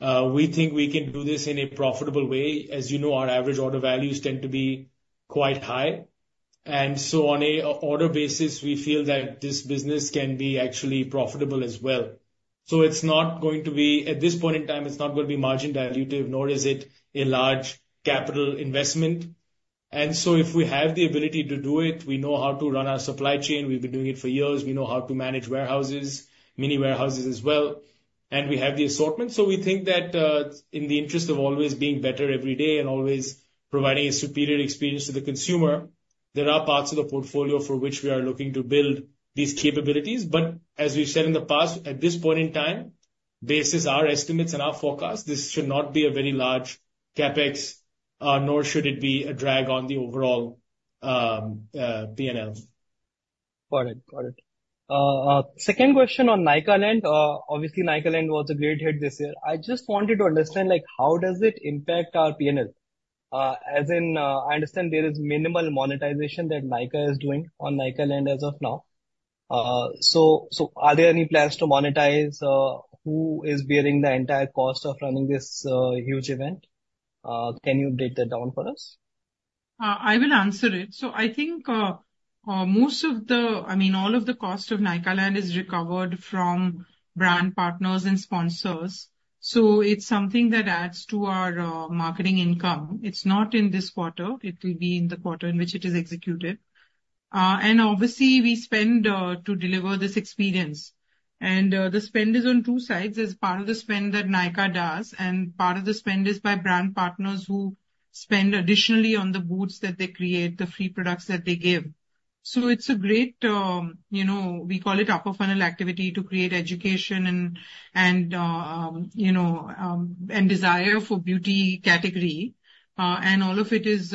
We think we can do this in a profitable way. As you know, our average order values tend to be quite high. And so on an order basis, we feel that this business can be actually profitable as well. So it's not going to be at this point in time, it's not going to be margin dilutive, nor is it a large capital investment. And so if we have the ability to do it, we know how to run our supply chain. We've been doing it for years. We know how to manage warehouses, mini warehouses as well. And we have the assortment. So we think that in the interest of always being better every day and always providing a superior experience to the consumer, there are parts of the portfolio for which we are looking to build these capabilities. But as we've said in the past, at this point in time, based on our estimates and our forecasts, this should not be a very large CapEx, nor should it be a drag on the overall P&L. Got it. Got it. Second question on Nykaaland. Obviously, Nykaaland was a great hit this year. I just wanted to understand how does it impact our P&L? As in, I understand there is minimal monetization that Nykaa is doing on Nykaaland as of now. So are there any plans to monetize? Who is bearing the entire cost of running this huge event? Can you break that down for us?
I will answer it. So I think most of the, I mean, all of the cost of Nykaaland is recovered from brand partners and sponsors. So it's something that adds to our marketing income. It's not in this quarter. It will be in the quarter in which it is executed. And obviously, we spend to deliver this experience. And the spend is on two sides. There's part of the spend that Nykaa does, and part of the spend is by brand partners who spend additionally on the booths that they create, the free products that they give. So it's great, we call it upper-funnel activity to create education and desire for beauty category. And all of it is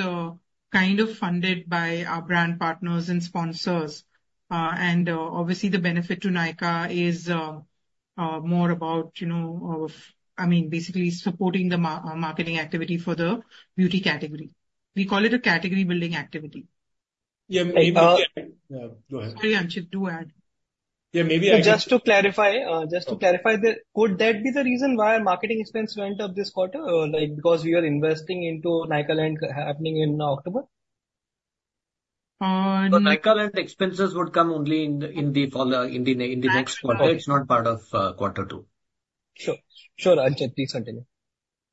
kind of funded by our brand partners and sponsors. And obviously, the benefit to Nykaa is more about, I mean, basically supporting the marketing activity for the beauty category. We call it a category-building activity.
Yeah. Maybe I can.
Sorry, Anchit, do add.
Yeah. Maybe I. Just to clarify, could that be the reason why our marketing expense went up this quarter? Because we are investing into Nykaaland happening in October? But Nykaaland expenses would come only in the next quarter. It's not part of Q2.
Sure. Sure. Anchit, please continue.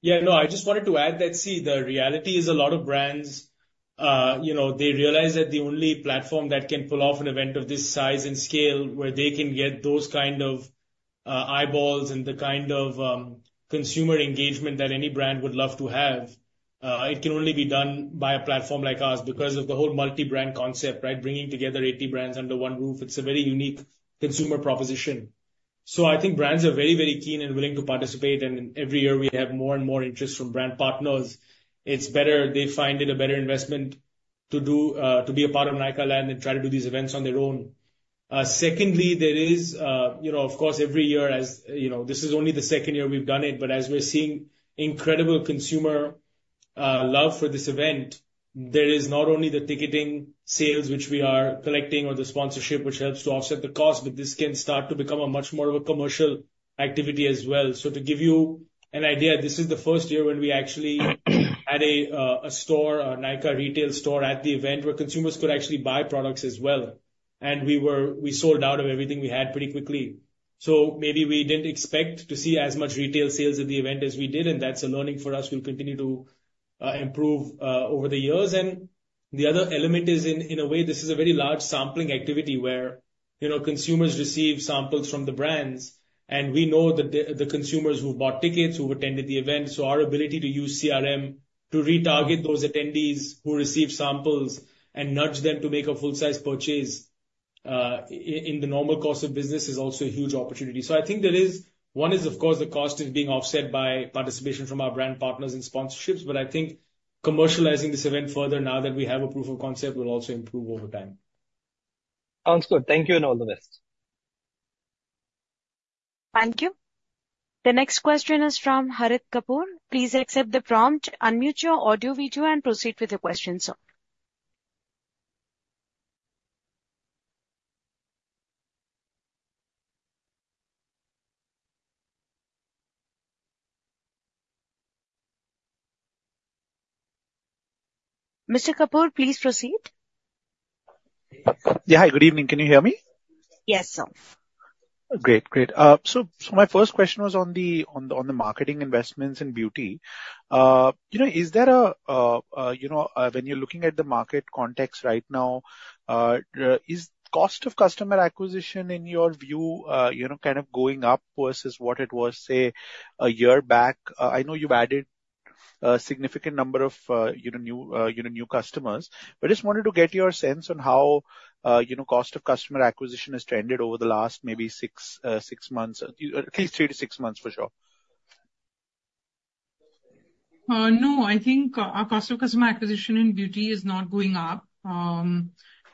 Yeah. No, I just wanted to add that, see, the reality is a lot of brands, they realize that the only platform that can pull off an event of this size and scale where they can get those kind of eyeballs and the kind of consumer engagement that any brand would love to have, it can only be done by a platform like ours because of the whole multi-brand concept, right? Bringing together 80 brands under one roof, it's a very unique consumer proposition. So I think brands are very, very keen and willing to participate. And every year, we have more and more interest from brand partners. It's better they find it a better investment to be a part of Nykaaland and try to do these events on their own. Secondly, there is, of course, every year, as this is only the second year we've done it, but as we're seeing incredible consumer love for this event, there is not only the ticketing sales which we are collecting or the sponsorship which helps to offset the cost, but this can start to become much more of a commercial activity as well, so to give you an idea, this is the first year when we actually had a store, a Nykaa retail store at the event where consumers could actually buy products as well, and we sold out of everything we had pretty quickly, so maybe we didn't expect to see as much retail sales at the event as we did, and that's a learning for us. We'll continue to improve over the years. And the other element is, in a way, this is a very large sampling activity where consumers receive samples from the brands. And we know the consumers who bought tickets, who attended the event. So our ability to use CRM to retarget those attendees who receive samples and nudge them to make a full-size purchase in the normal course of business is also a huge opportunity. So I think there is one, of course, the cost is being offset by participation from our brand partners and sponsorships. But I think commercializing this event further now that we have a proof of concept will also improve over time. Sounds good. Thank you, and all the best.
Thank you. The next question is from Harit Kapoor. Please accept the prompt, unmute your audio video, and proceed with your question, sir. Mr. Kapoor, please proceed. Yeah. Hi. Good evening. Can you hear me?
Yes, sir. Great. Great. So my first question was on the marketing investments in beauty. Is there, when you're looking at the market context right now, is cost of customer acquisition, in your view, kind of going up versus what it was, say, a year back? I know you've added a significant number of new customers. But I just wanted to get your sense on how cost of customer acquisition has trended over the last maybe six months, at least three to six months for sure. No. I think our cost of customer acquisition in beauty is not going up.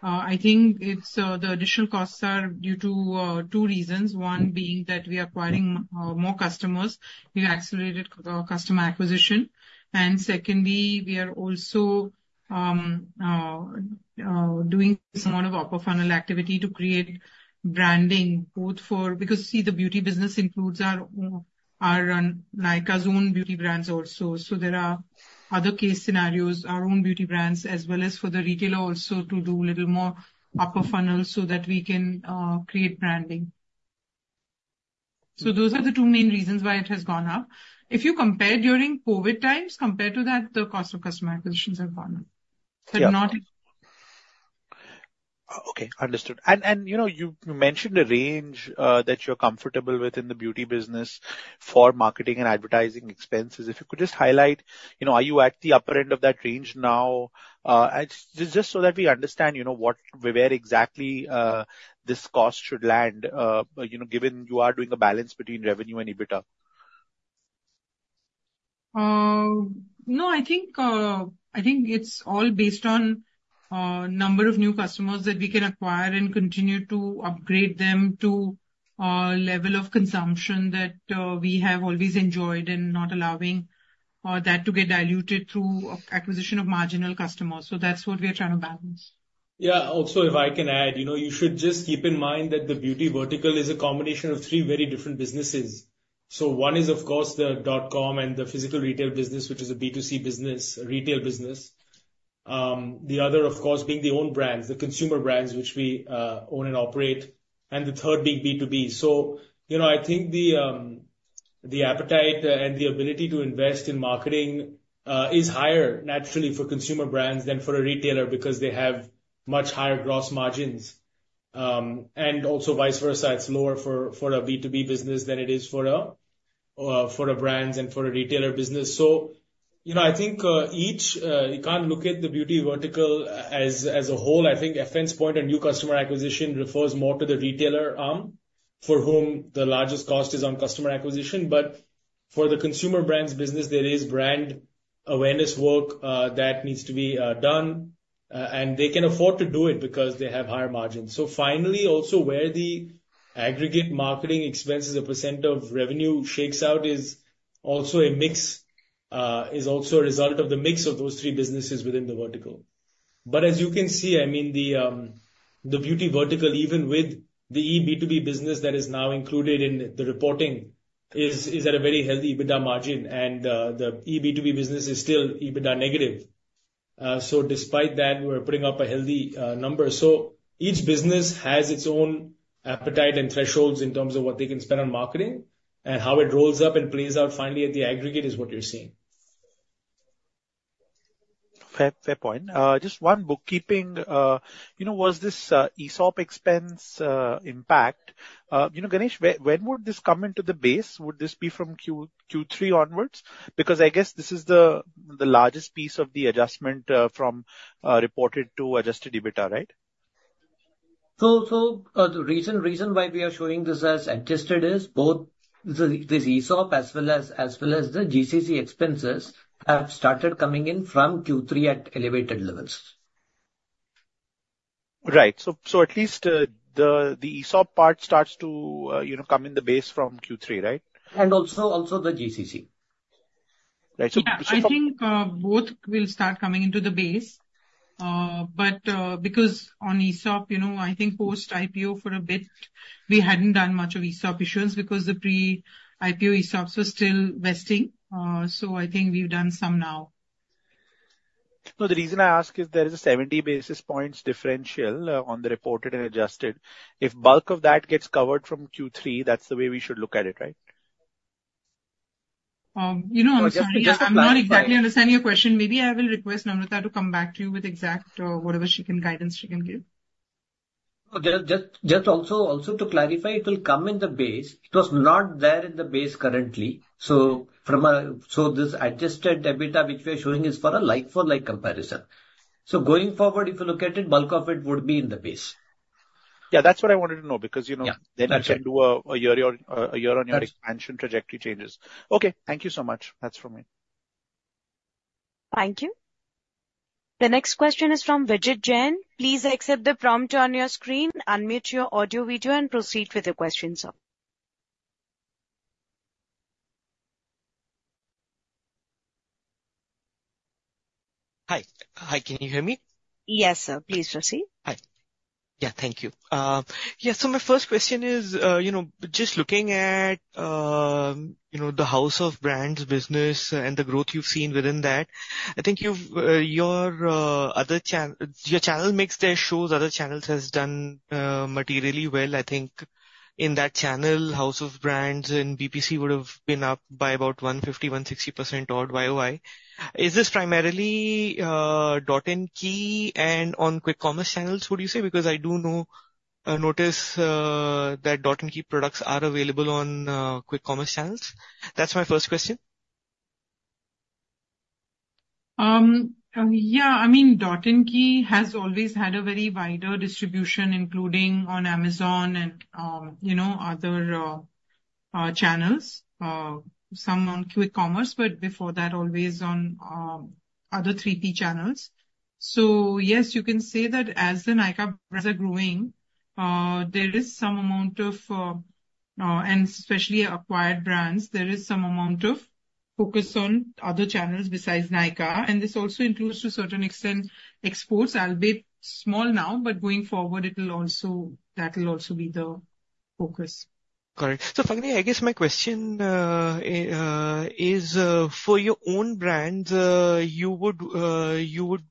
I think the additional costs are due to two reasons. One being that we are acquiring more customers. We've accelerated customer acquisition. And secondly, we are also doing some sort of upper-funnel activity to create branding both for, because, see, the beauty business includes our Nykaa's own beauty brands also. So there are other case scenarios, our own beauty brands, as well as for the retailer also to do a little more upper-funnel so that we can create branding. So those are the two main reasons why it has gone up. If you compare during COVID times, compared to that, the cost of customer acquisitions have gone up. But not. Okay. Understood. And you mentioned a range that you're comfortable with in the beauty business for marketing and advertising expenses. If you could just highlight, are you at the upper end of that range now? Just so that we understand where exactly this cost should land, given you are doing a balance between revenue and EBITDA. No. I think it's all based on the number of new customers that we can acquire and continue to upgrade them to a level of consumption that we have always enjoyed and not allowing that to get diluted through acquisition of marginal customers. So that's what we are trying to balance.
Yeah. Also, if I can add, you should just keep in mind that the beauty vertical is a combination of three very different businesses. So one is, of course, the dot-com and the physical retail business, which is a B2C retail business. The other, of course, being the own brands, the consumer brands which we own and operate. And the third being B2B. So I think the appetite and the ability to invest in marketing is higher, naturally, for consumer brands than for a retailer because they have much higher gross margins. And also vice versa, it's lower for a B2B business than it is for a brand and for a retailer business. So I think you can't look at the beauty vertical as a whole. I think FN's point on new customer acquisition refers more to the retailer arm for whom the largest cost is on customer acquisition. But for the consumer brands business, there is brand awareness work that needs to be done. And they can afford to do it because they have higher margins. So finally, also, where the aggregate marketing expenses as a % of revenue shakes out is also a result of the mix of those three businesses within the vertical. But as you can see, I mean, the beauty vertical, even with the eB2B business that is now included in the reporting, is at a very healthy EBITDA margin. And the eB2B business is still EBITDA negative. So despite that, we're putting up a healthy number. So each business has its own appetite and thresholds in terms of what they can spend on marketing and how it rolls up and plays out finally at the aggregate is what you're seeing. Fair point. Just one bookkeeping. Was this ESOP expense impact? Ganesh, when would this come into the base? Would this be from Q3 onwards? Because I guess this is the largest piece of the adjustment from reported to Adjusted EBITDA, right?
So the reason why we are showing this as adjusted is both this ESOP as well as the GCC expenses have started coming in from Q3 at elevated levels. Right. So at least the ESOP part starts to come in the base from Q3, right? And also the GCC. Right. So you.
I think both will start coming into the base, but because on ESOP, I think post-IPO for a bit, we hadn't done much of ESOP issues because the pre-IPO ESOPs were still vesting, so I think we've done some now. So the reason I ask is there is a 70 basis points differential on the reported and adjusted. If bulk of that gets covered from Q3, that's the way we should look at it, right?
I'm sorry. I'm not exactly understanding your question. Maybe I will request Adwaita to come back to you with exact whatever she can guidance she can give.
Just also to clarify, it will come in the base. It was not there in the base currently. So this Adjusted EBITDA which we are showing is for a like-for-like comparison. So going forward, if you look at it, bulk of it would be in the base. Yeah. That's what I wanted to know because then we can do a year-on-year expansion trajectory changes. Okay. Thank you so much. That's from me.
Thank you. The next question is from Vijit Jain. Please accept the prompt on your screen, unmute your audio video, and proceed with your question, sir. Hi. Hi. Can you hear me? Yes, sir. Please proceed. Hi. Yeah. Thank you. Yeah. So my first question is, just looking at the House of Brands business and the growth you've seen within that. I think your channels make up their share. Other channels have done materially well. I think in that channel, House of Brands and BPC would have been up by about 150-160% odd YoY. Is this primarily Dot & Key and on Quick Commerce channels, would you say? Because I do notice that Dot & Key products are available on Quick Commerce channels. That's my first question.
Yeah. I mean, Dot & Key has always had a very wider distribution, including on Amazon and other channels, some on Quick Commerce, but before that, always on other 3P channels. So yes, you can say that as the Nykaa brands are growing, there is some amount of, and especially acquired brands, there is some amount of focus on other channels besides Nykaa. And this also includes, to a certain extent, exports. It'll be small now, but going forward, that will also be the focus. Correct. So Falguni, I guess my question is, for your own brands, you would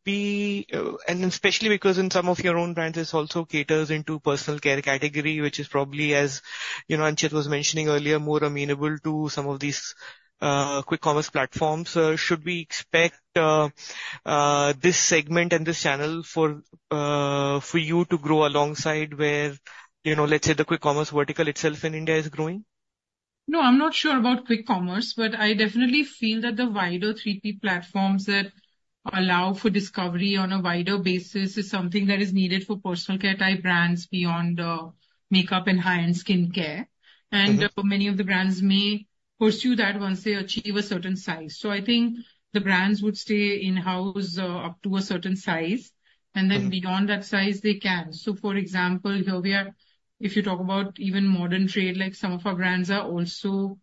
be and especially because in some of your own brands, this also caters into personal care category, which is probably, as Anchit was mentioning earlier, more amenable to some of these Quick Commerce platforms. Should we expect this segment and this channel for you to grow alongside where, let's say, the Quick Commerce vertical itself in India is growing? No. I'm not sure about Quick Commerce, but I definitely feel that the wider 3P platforms that allow for discovery on a wider basis is something that is needed for personal care-type brands beyond makeup and high-end skincare, and many of the brands may pursue that once they achieve a certain size. So I think the brands would stay in-house up to a certain size, and then beyond that size, they can. So for example, if you talk about even modern trade, some of our brands are also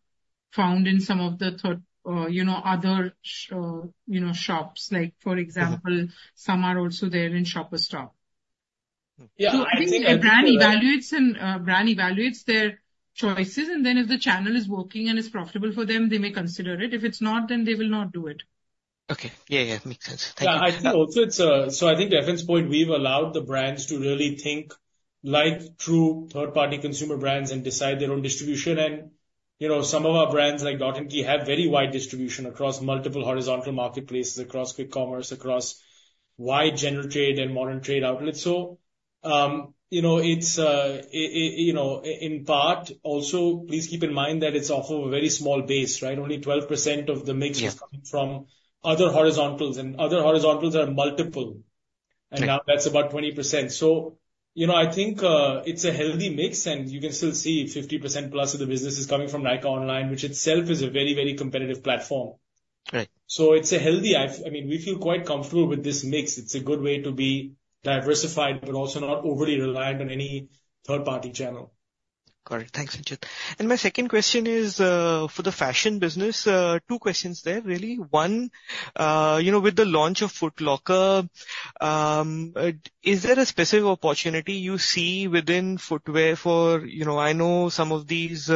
found in some of the other shops. For example, some are also there in Shoppers Stop. Yeah. I think. So I think a brand evaluates their choices. And then if the channel is working and it's profitable for them, they may consider it. If it's not, then they will not do it. Okay. Yeah. Yeah. Makes sense. Thank you.
Yeah, so I think to FN's point, we've allowed the brands to really think like true third-party consumer brands and decide their own distribution, and some of our brands like Dot & Key have very wide distribution across multiple horizontal marketplaces, across Quick Commerce, across wide general trade and modern trade outlets, so it's in part also please keep in mind that it's off of a very small base, right? Only 12% of the mix is coming from other horizontals, and other horizontals are multiple, and now that's about 20%. So I think it's a healthy mix, and you can still see 50% plus of the business is coming from Nykaa Online, which itself is a very, very competitive platform, so it's a healthy, I mean, we feel quite comfortable with this mix. It's a good way to be diversified, but also not overly reliant on any third-party channel. Correct. Thanks, Anchit. And my second question is for the fashion business. Two questions there, really. One, with the launch of Foot Locker, is there a specific opportunity you see within footwear? For I know some of these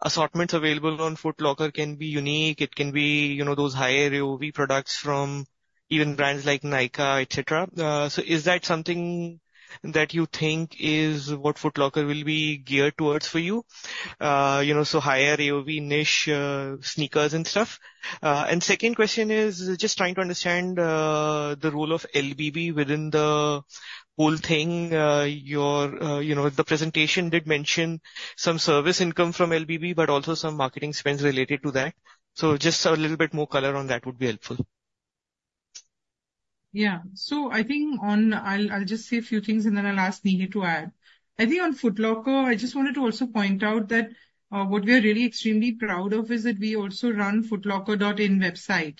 assortments available on Foot Locker can be unique. It can be those higher AOV products from even brands like Nykaa, etc. So is that something that you think is what Foot Locker will be geared towards for you? So higher AOV niche sneakers and stuff. And second question is just trying to understand the role of LBB within the whole thing. The presentation did mention some service income from LBB, but also some marketing spends related to that. So just a little bit more color on that would be helpful.
Yeah. So I think I'll just say a few things, and then I'll ask Nihir to add. I think on Foot Locker, I just wanted to also point out that what we are really extremely proud of is that we also run footlocker.co.in website.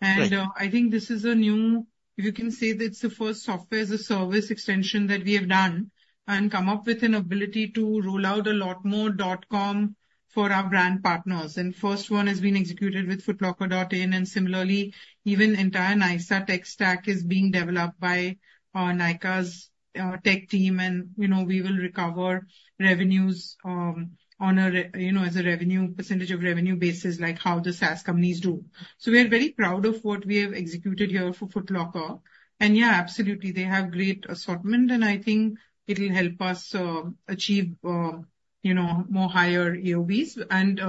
And I think this is a new if you can say that it's the first software-as-a-service extension that we have done and come up with an ability to roll out a lot more dot-com for our brand partners. And first one has been executed with footlocker.co.in. And similarly, even the entire Nykaa's tech stack is being developed by Nykaa's tech team. And we will recover revenues as a percentage of revenue basis like how the SaaS companies do. So we are very proud of what we have executed here for Foot Locker. And yeah, absolutely. They have great assortment. And I think it will help us achieve more higher AOVs. And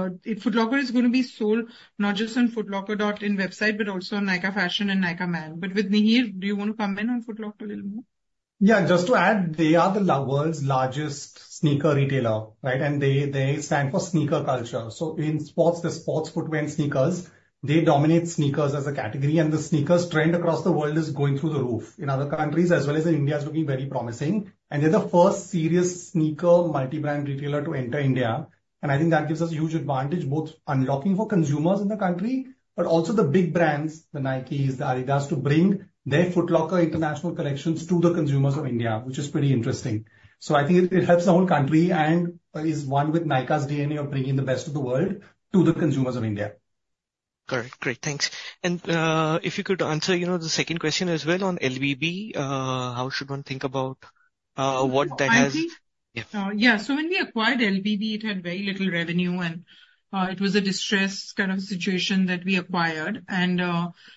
Foot Locker is going to be sold not just on footlocker.co.in website, but also on Nykaa Fashion and Nykaa Man. But with Nihir, do you want to comment on Foot Locker a little more?
Yeah. Just to add, they are the world's largest sneaker retailer, right? And they stand for sneaker culture. So in sports, the sports footwear and sneakers, they dominate sneakers as a category. And the sneakers trend across the world is going through the roof in other countries, as well as in India, is looking very promising. And they're the first serious sneaker multi-brand retailer to enter India. And I think that gives us a huge advantage, both unlocking for consumers in the country, but also the big brands, the Nikes, the Adidas, to bring their Foot Locker international collections to the consumers of India, which is pretty interesting. So I think it helps the whole country and is one with Nykaa's DNA of bringing the best of the world to the consumers of India. Correct. Great. Thanks. And if you could answer the second question as well on LBB, how should one think about what that has?
Yeah. So when we acquired LBB, it had very little revenue. And it was a distressed kind of situation that we acquired. And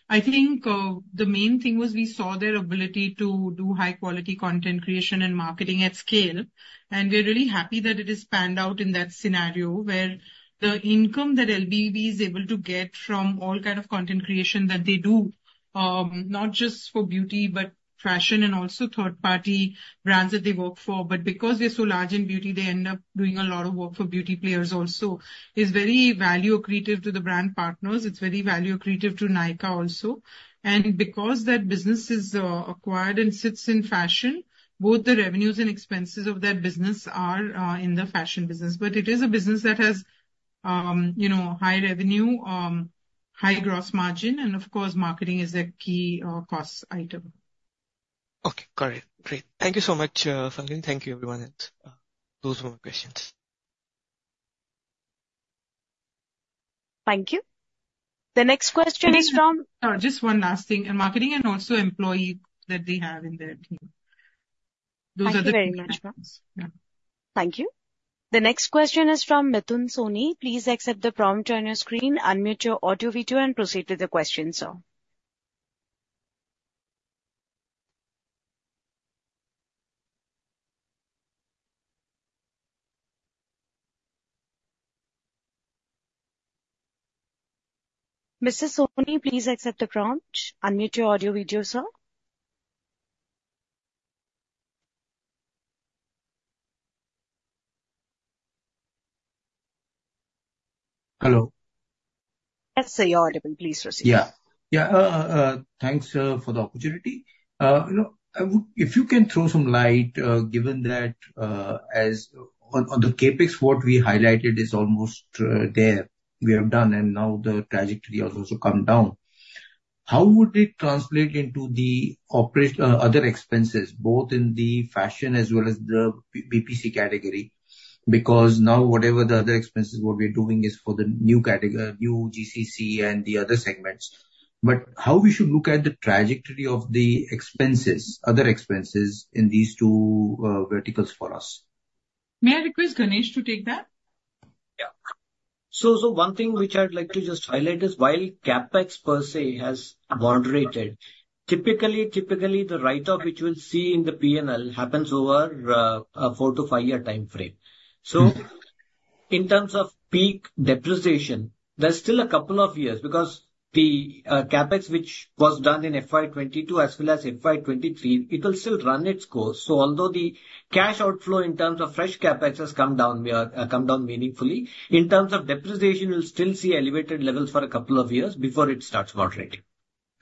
I think the main thing was we saw their ability to do high-quality content creation and marketing at scale. And we're really happy that it has panned out in that scenario where the income that LBB is able to get from all kinds of content creation that they do, not just for beauty, but fashion and also third-party brands that they work for. But because they're so large in beauty, they end up doing a lot of work for beauty players also. It's very value accretive to the brand partners. It's very value accretive to Nykaa also. And because that business is acquired and sits in fashion, both the revenues and expenses of that business are in the fashion business. But it is a business that has high revenue, high gross margin. And of course, marketing is a key cost item. Okay. Correct. Great. Thank you so much, Falguni. Thank you, everyone. And those were my questions.
Thank you. The next question is from.
Just one last thing, and marketing and also employee that they have in their team. Those are the two questions.
Thank you. The next question is from Mithun Soni. Please accept the prompt on your screen, unmute your audio video, and proceed with the question, sir. Mr. Soni, please accept the prompt. Unmute your audio video, sir. Hello. Yes, sir. You're audible. Please proceed. Yeah. Yeah. Thanks for the opportunity. If you can throw some light, given that on the CapEx, what we highlighted is almost there. We have done. And now the trajectory has also come down. How would it translate into the other expenses, both in the fashion as well as the BPC category? Because now, whatever the other expenses, what we are doing is for the new GCC and the other segments. But how we should look at the trajectory of the other expenses in these two verticals for us?
May I request Ganesh to take that?
Yeah. So one thing which I'd like to just highlight is while CapEx per se has moderated, typically, the write-off which we'll see in the P&L happens over a four to five-year time frame. So in terms of peak depreciation, there's still a couple of years because the CapEx which was done in FY 2022 as well as FY 2023, it will still run its course. So although the cash outflow in terms of fresh CapEx has come down meaningfully, in terms of depreciation, we'll still see elevated levels for a couple of years before it starts moderating.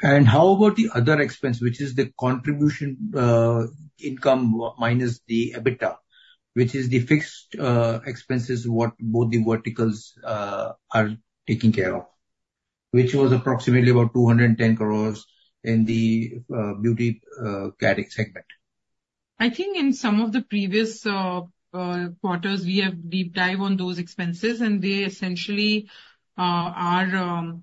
How about the other expense, which is the contribution income minus the EBITDA, which is the fixed expenses what both the verticals are taking care of, which was approximately about 210 crores in the beauty category segment?
I think in some of the previous quarters, we have deep dive on those expenses. And they essentially are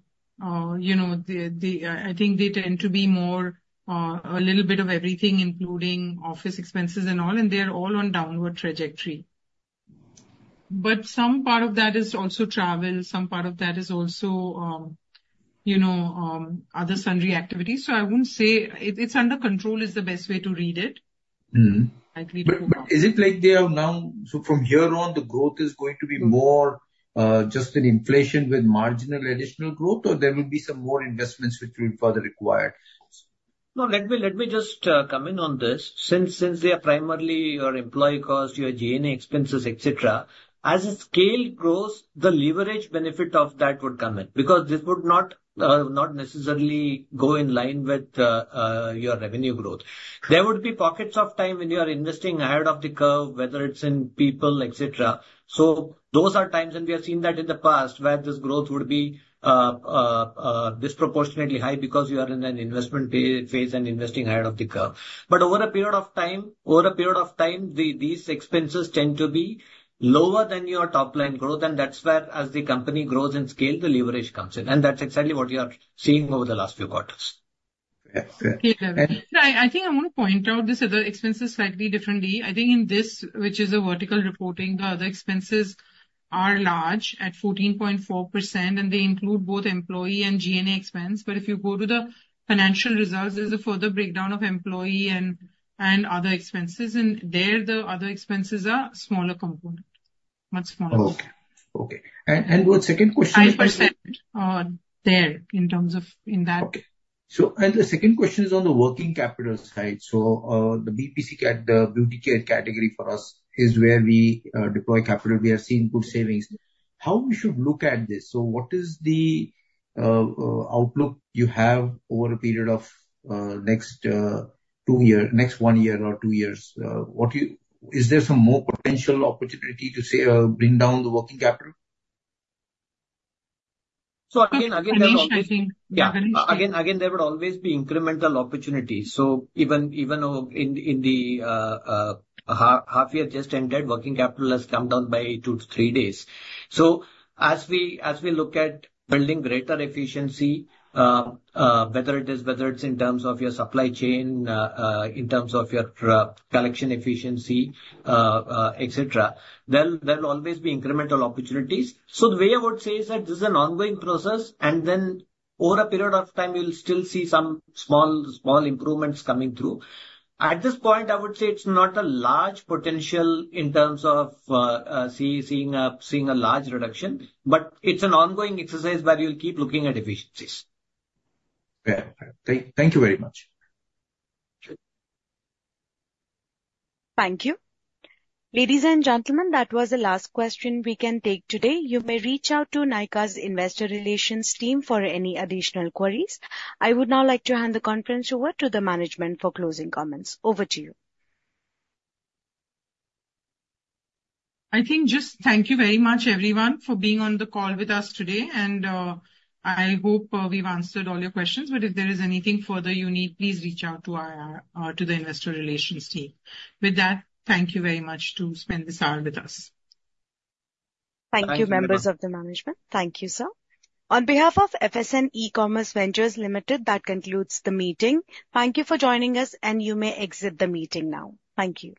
I think they tend to be more a little bit of everything, including office expenses and all. And they're all on downward trajectory. But some part of that is also travel. Some part of that is also other sundry activities. So I wouldn't say "it's under control" is the best way to read it. Is it like they are now, so from here on, the growth is going to be more just in inflation with marginal additional growth, or there will be some more investments which will further require?
No. Let me just come in on this. Since they are primarily your employee cost, your G&A expenses, etc., as the scale grows, the leverage benefit of that would come in because this would not necessarily go in line with your revenue growth. There would be pockets of time when you are investing ahead of the curve, whether it's in people, etc. So those are times and we have seen that in the past where this growth would be disproportionately high because you are in an investment phase and investing ahead of the curve. But over a period of time, over a period of time, these expenses tend to be lower than your top-line growth. And that's where, as the company grows in scale, the leverage comes in. And that's exactly what you are seeing over the last few quarters.
Okay. Thank you. I think I want to point out this other expenses slightly differently. I think in this, which is a vertical reporting, the other expenses are large at 14.4%. And they include both employee and G&A expense. But if you go to the financial results, there's a further breakdown of employee and other expenses. And there, the other expenses are smaller component, much smaller component. Okay. And the second question is. 5% there in terms of that. Okay. And the second question is on the working capital side. So the beauty care category for us is where we deploy capital. We have seen good savings. How we should look at this? So what is the outlook you have over a period of next one year or two years? Is there some more potential opportunity to bring down the working capital?
So, again, there would always be.
Ganesh.
Yeah. Again, there would always be incremental opportunities. So even in the half-year just ended, working capital has come down by two to three days. So as we look at building greater efficiency, whether it's in terms of your supply chain, in terms of your collection efficiency, etc., there will always be incremental opportunities. So the way I would say is that this is an ongoing process. And then over a period of time, you'll still see some small improvements coming through. At this point, I would say it's not a large potential in terms of seeing a large reduction. But it's an ongoing exercise where you'll keep looking at efficiencies. Okay. Thank you very much.
Thank you. Ladies and gentlemen, that was the last question we can take today. You may reach out to Nykaa's investor relations team for any additional queries. I would now like to hand the conference over to the management for closing comments. Over to you.
I think just thank you very much, everyone, for being on the call with us today. And I hope we've answered all your questions. But if there is anything further you need, please reach out to the investor relations team. With that, thank you very much to spend this hour with us.
Thank you, members of the management. Thank you, sir. On behalf of FSN E-Commerce Ventures Limited, that concludes the meeting. Thank you for joining us, and you may exit the meeting now. Thank you.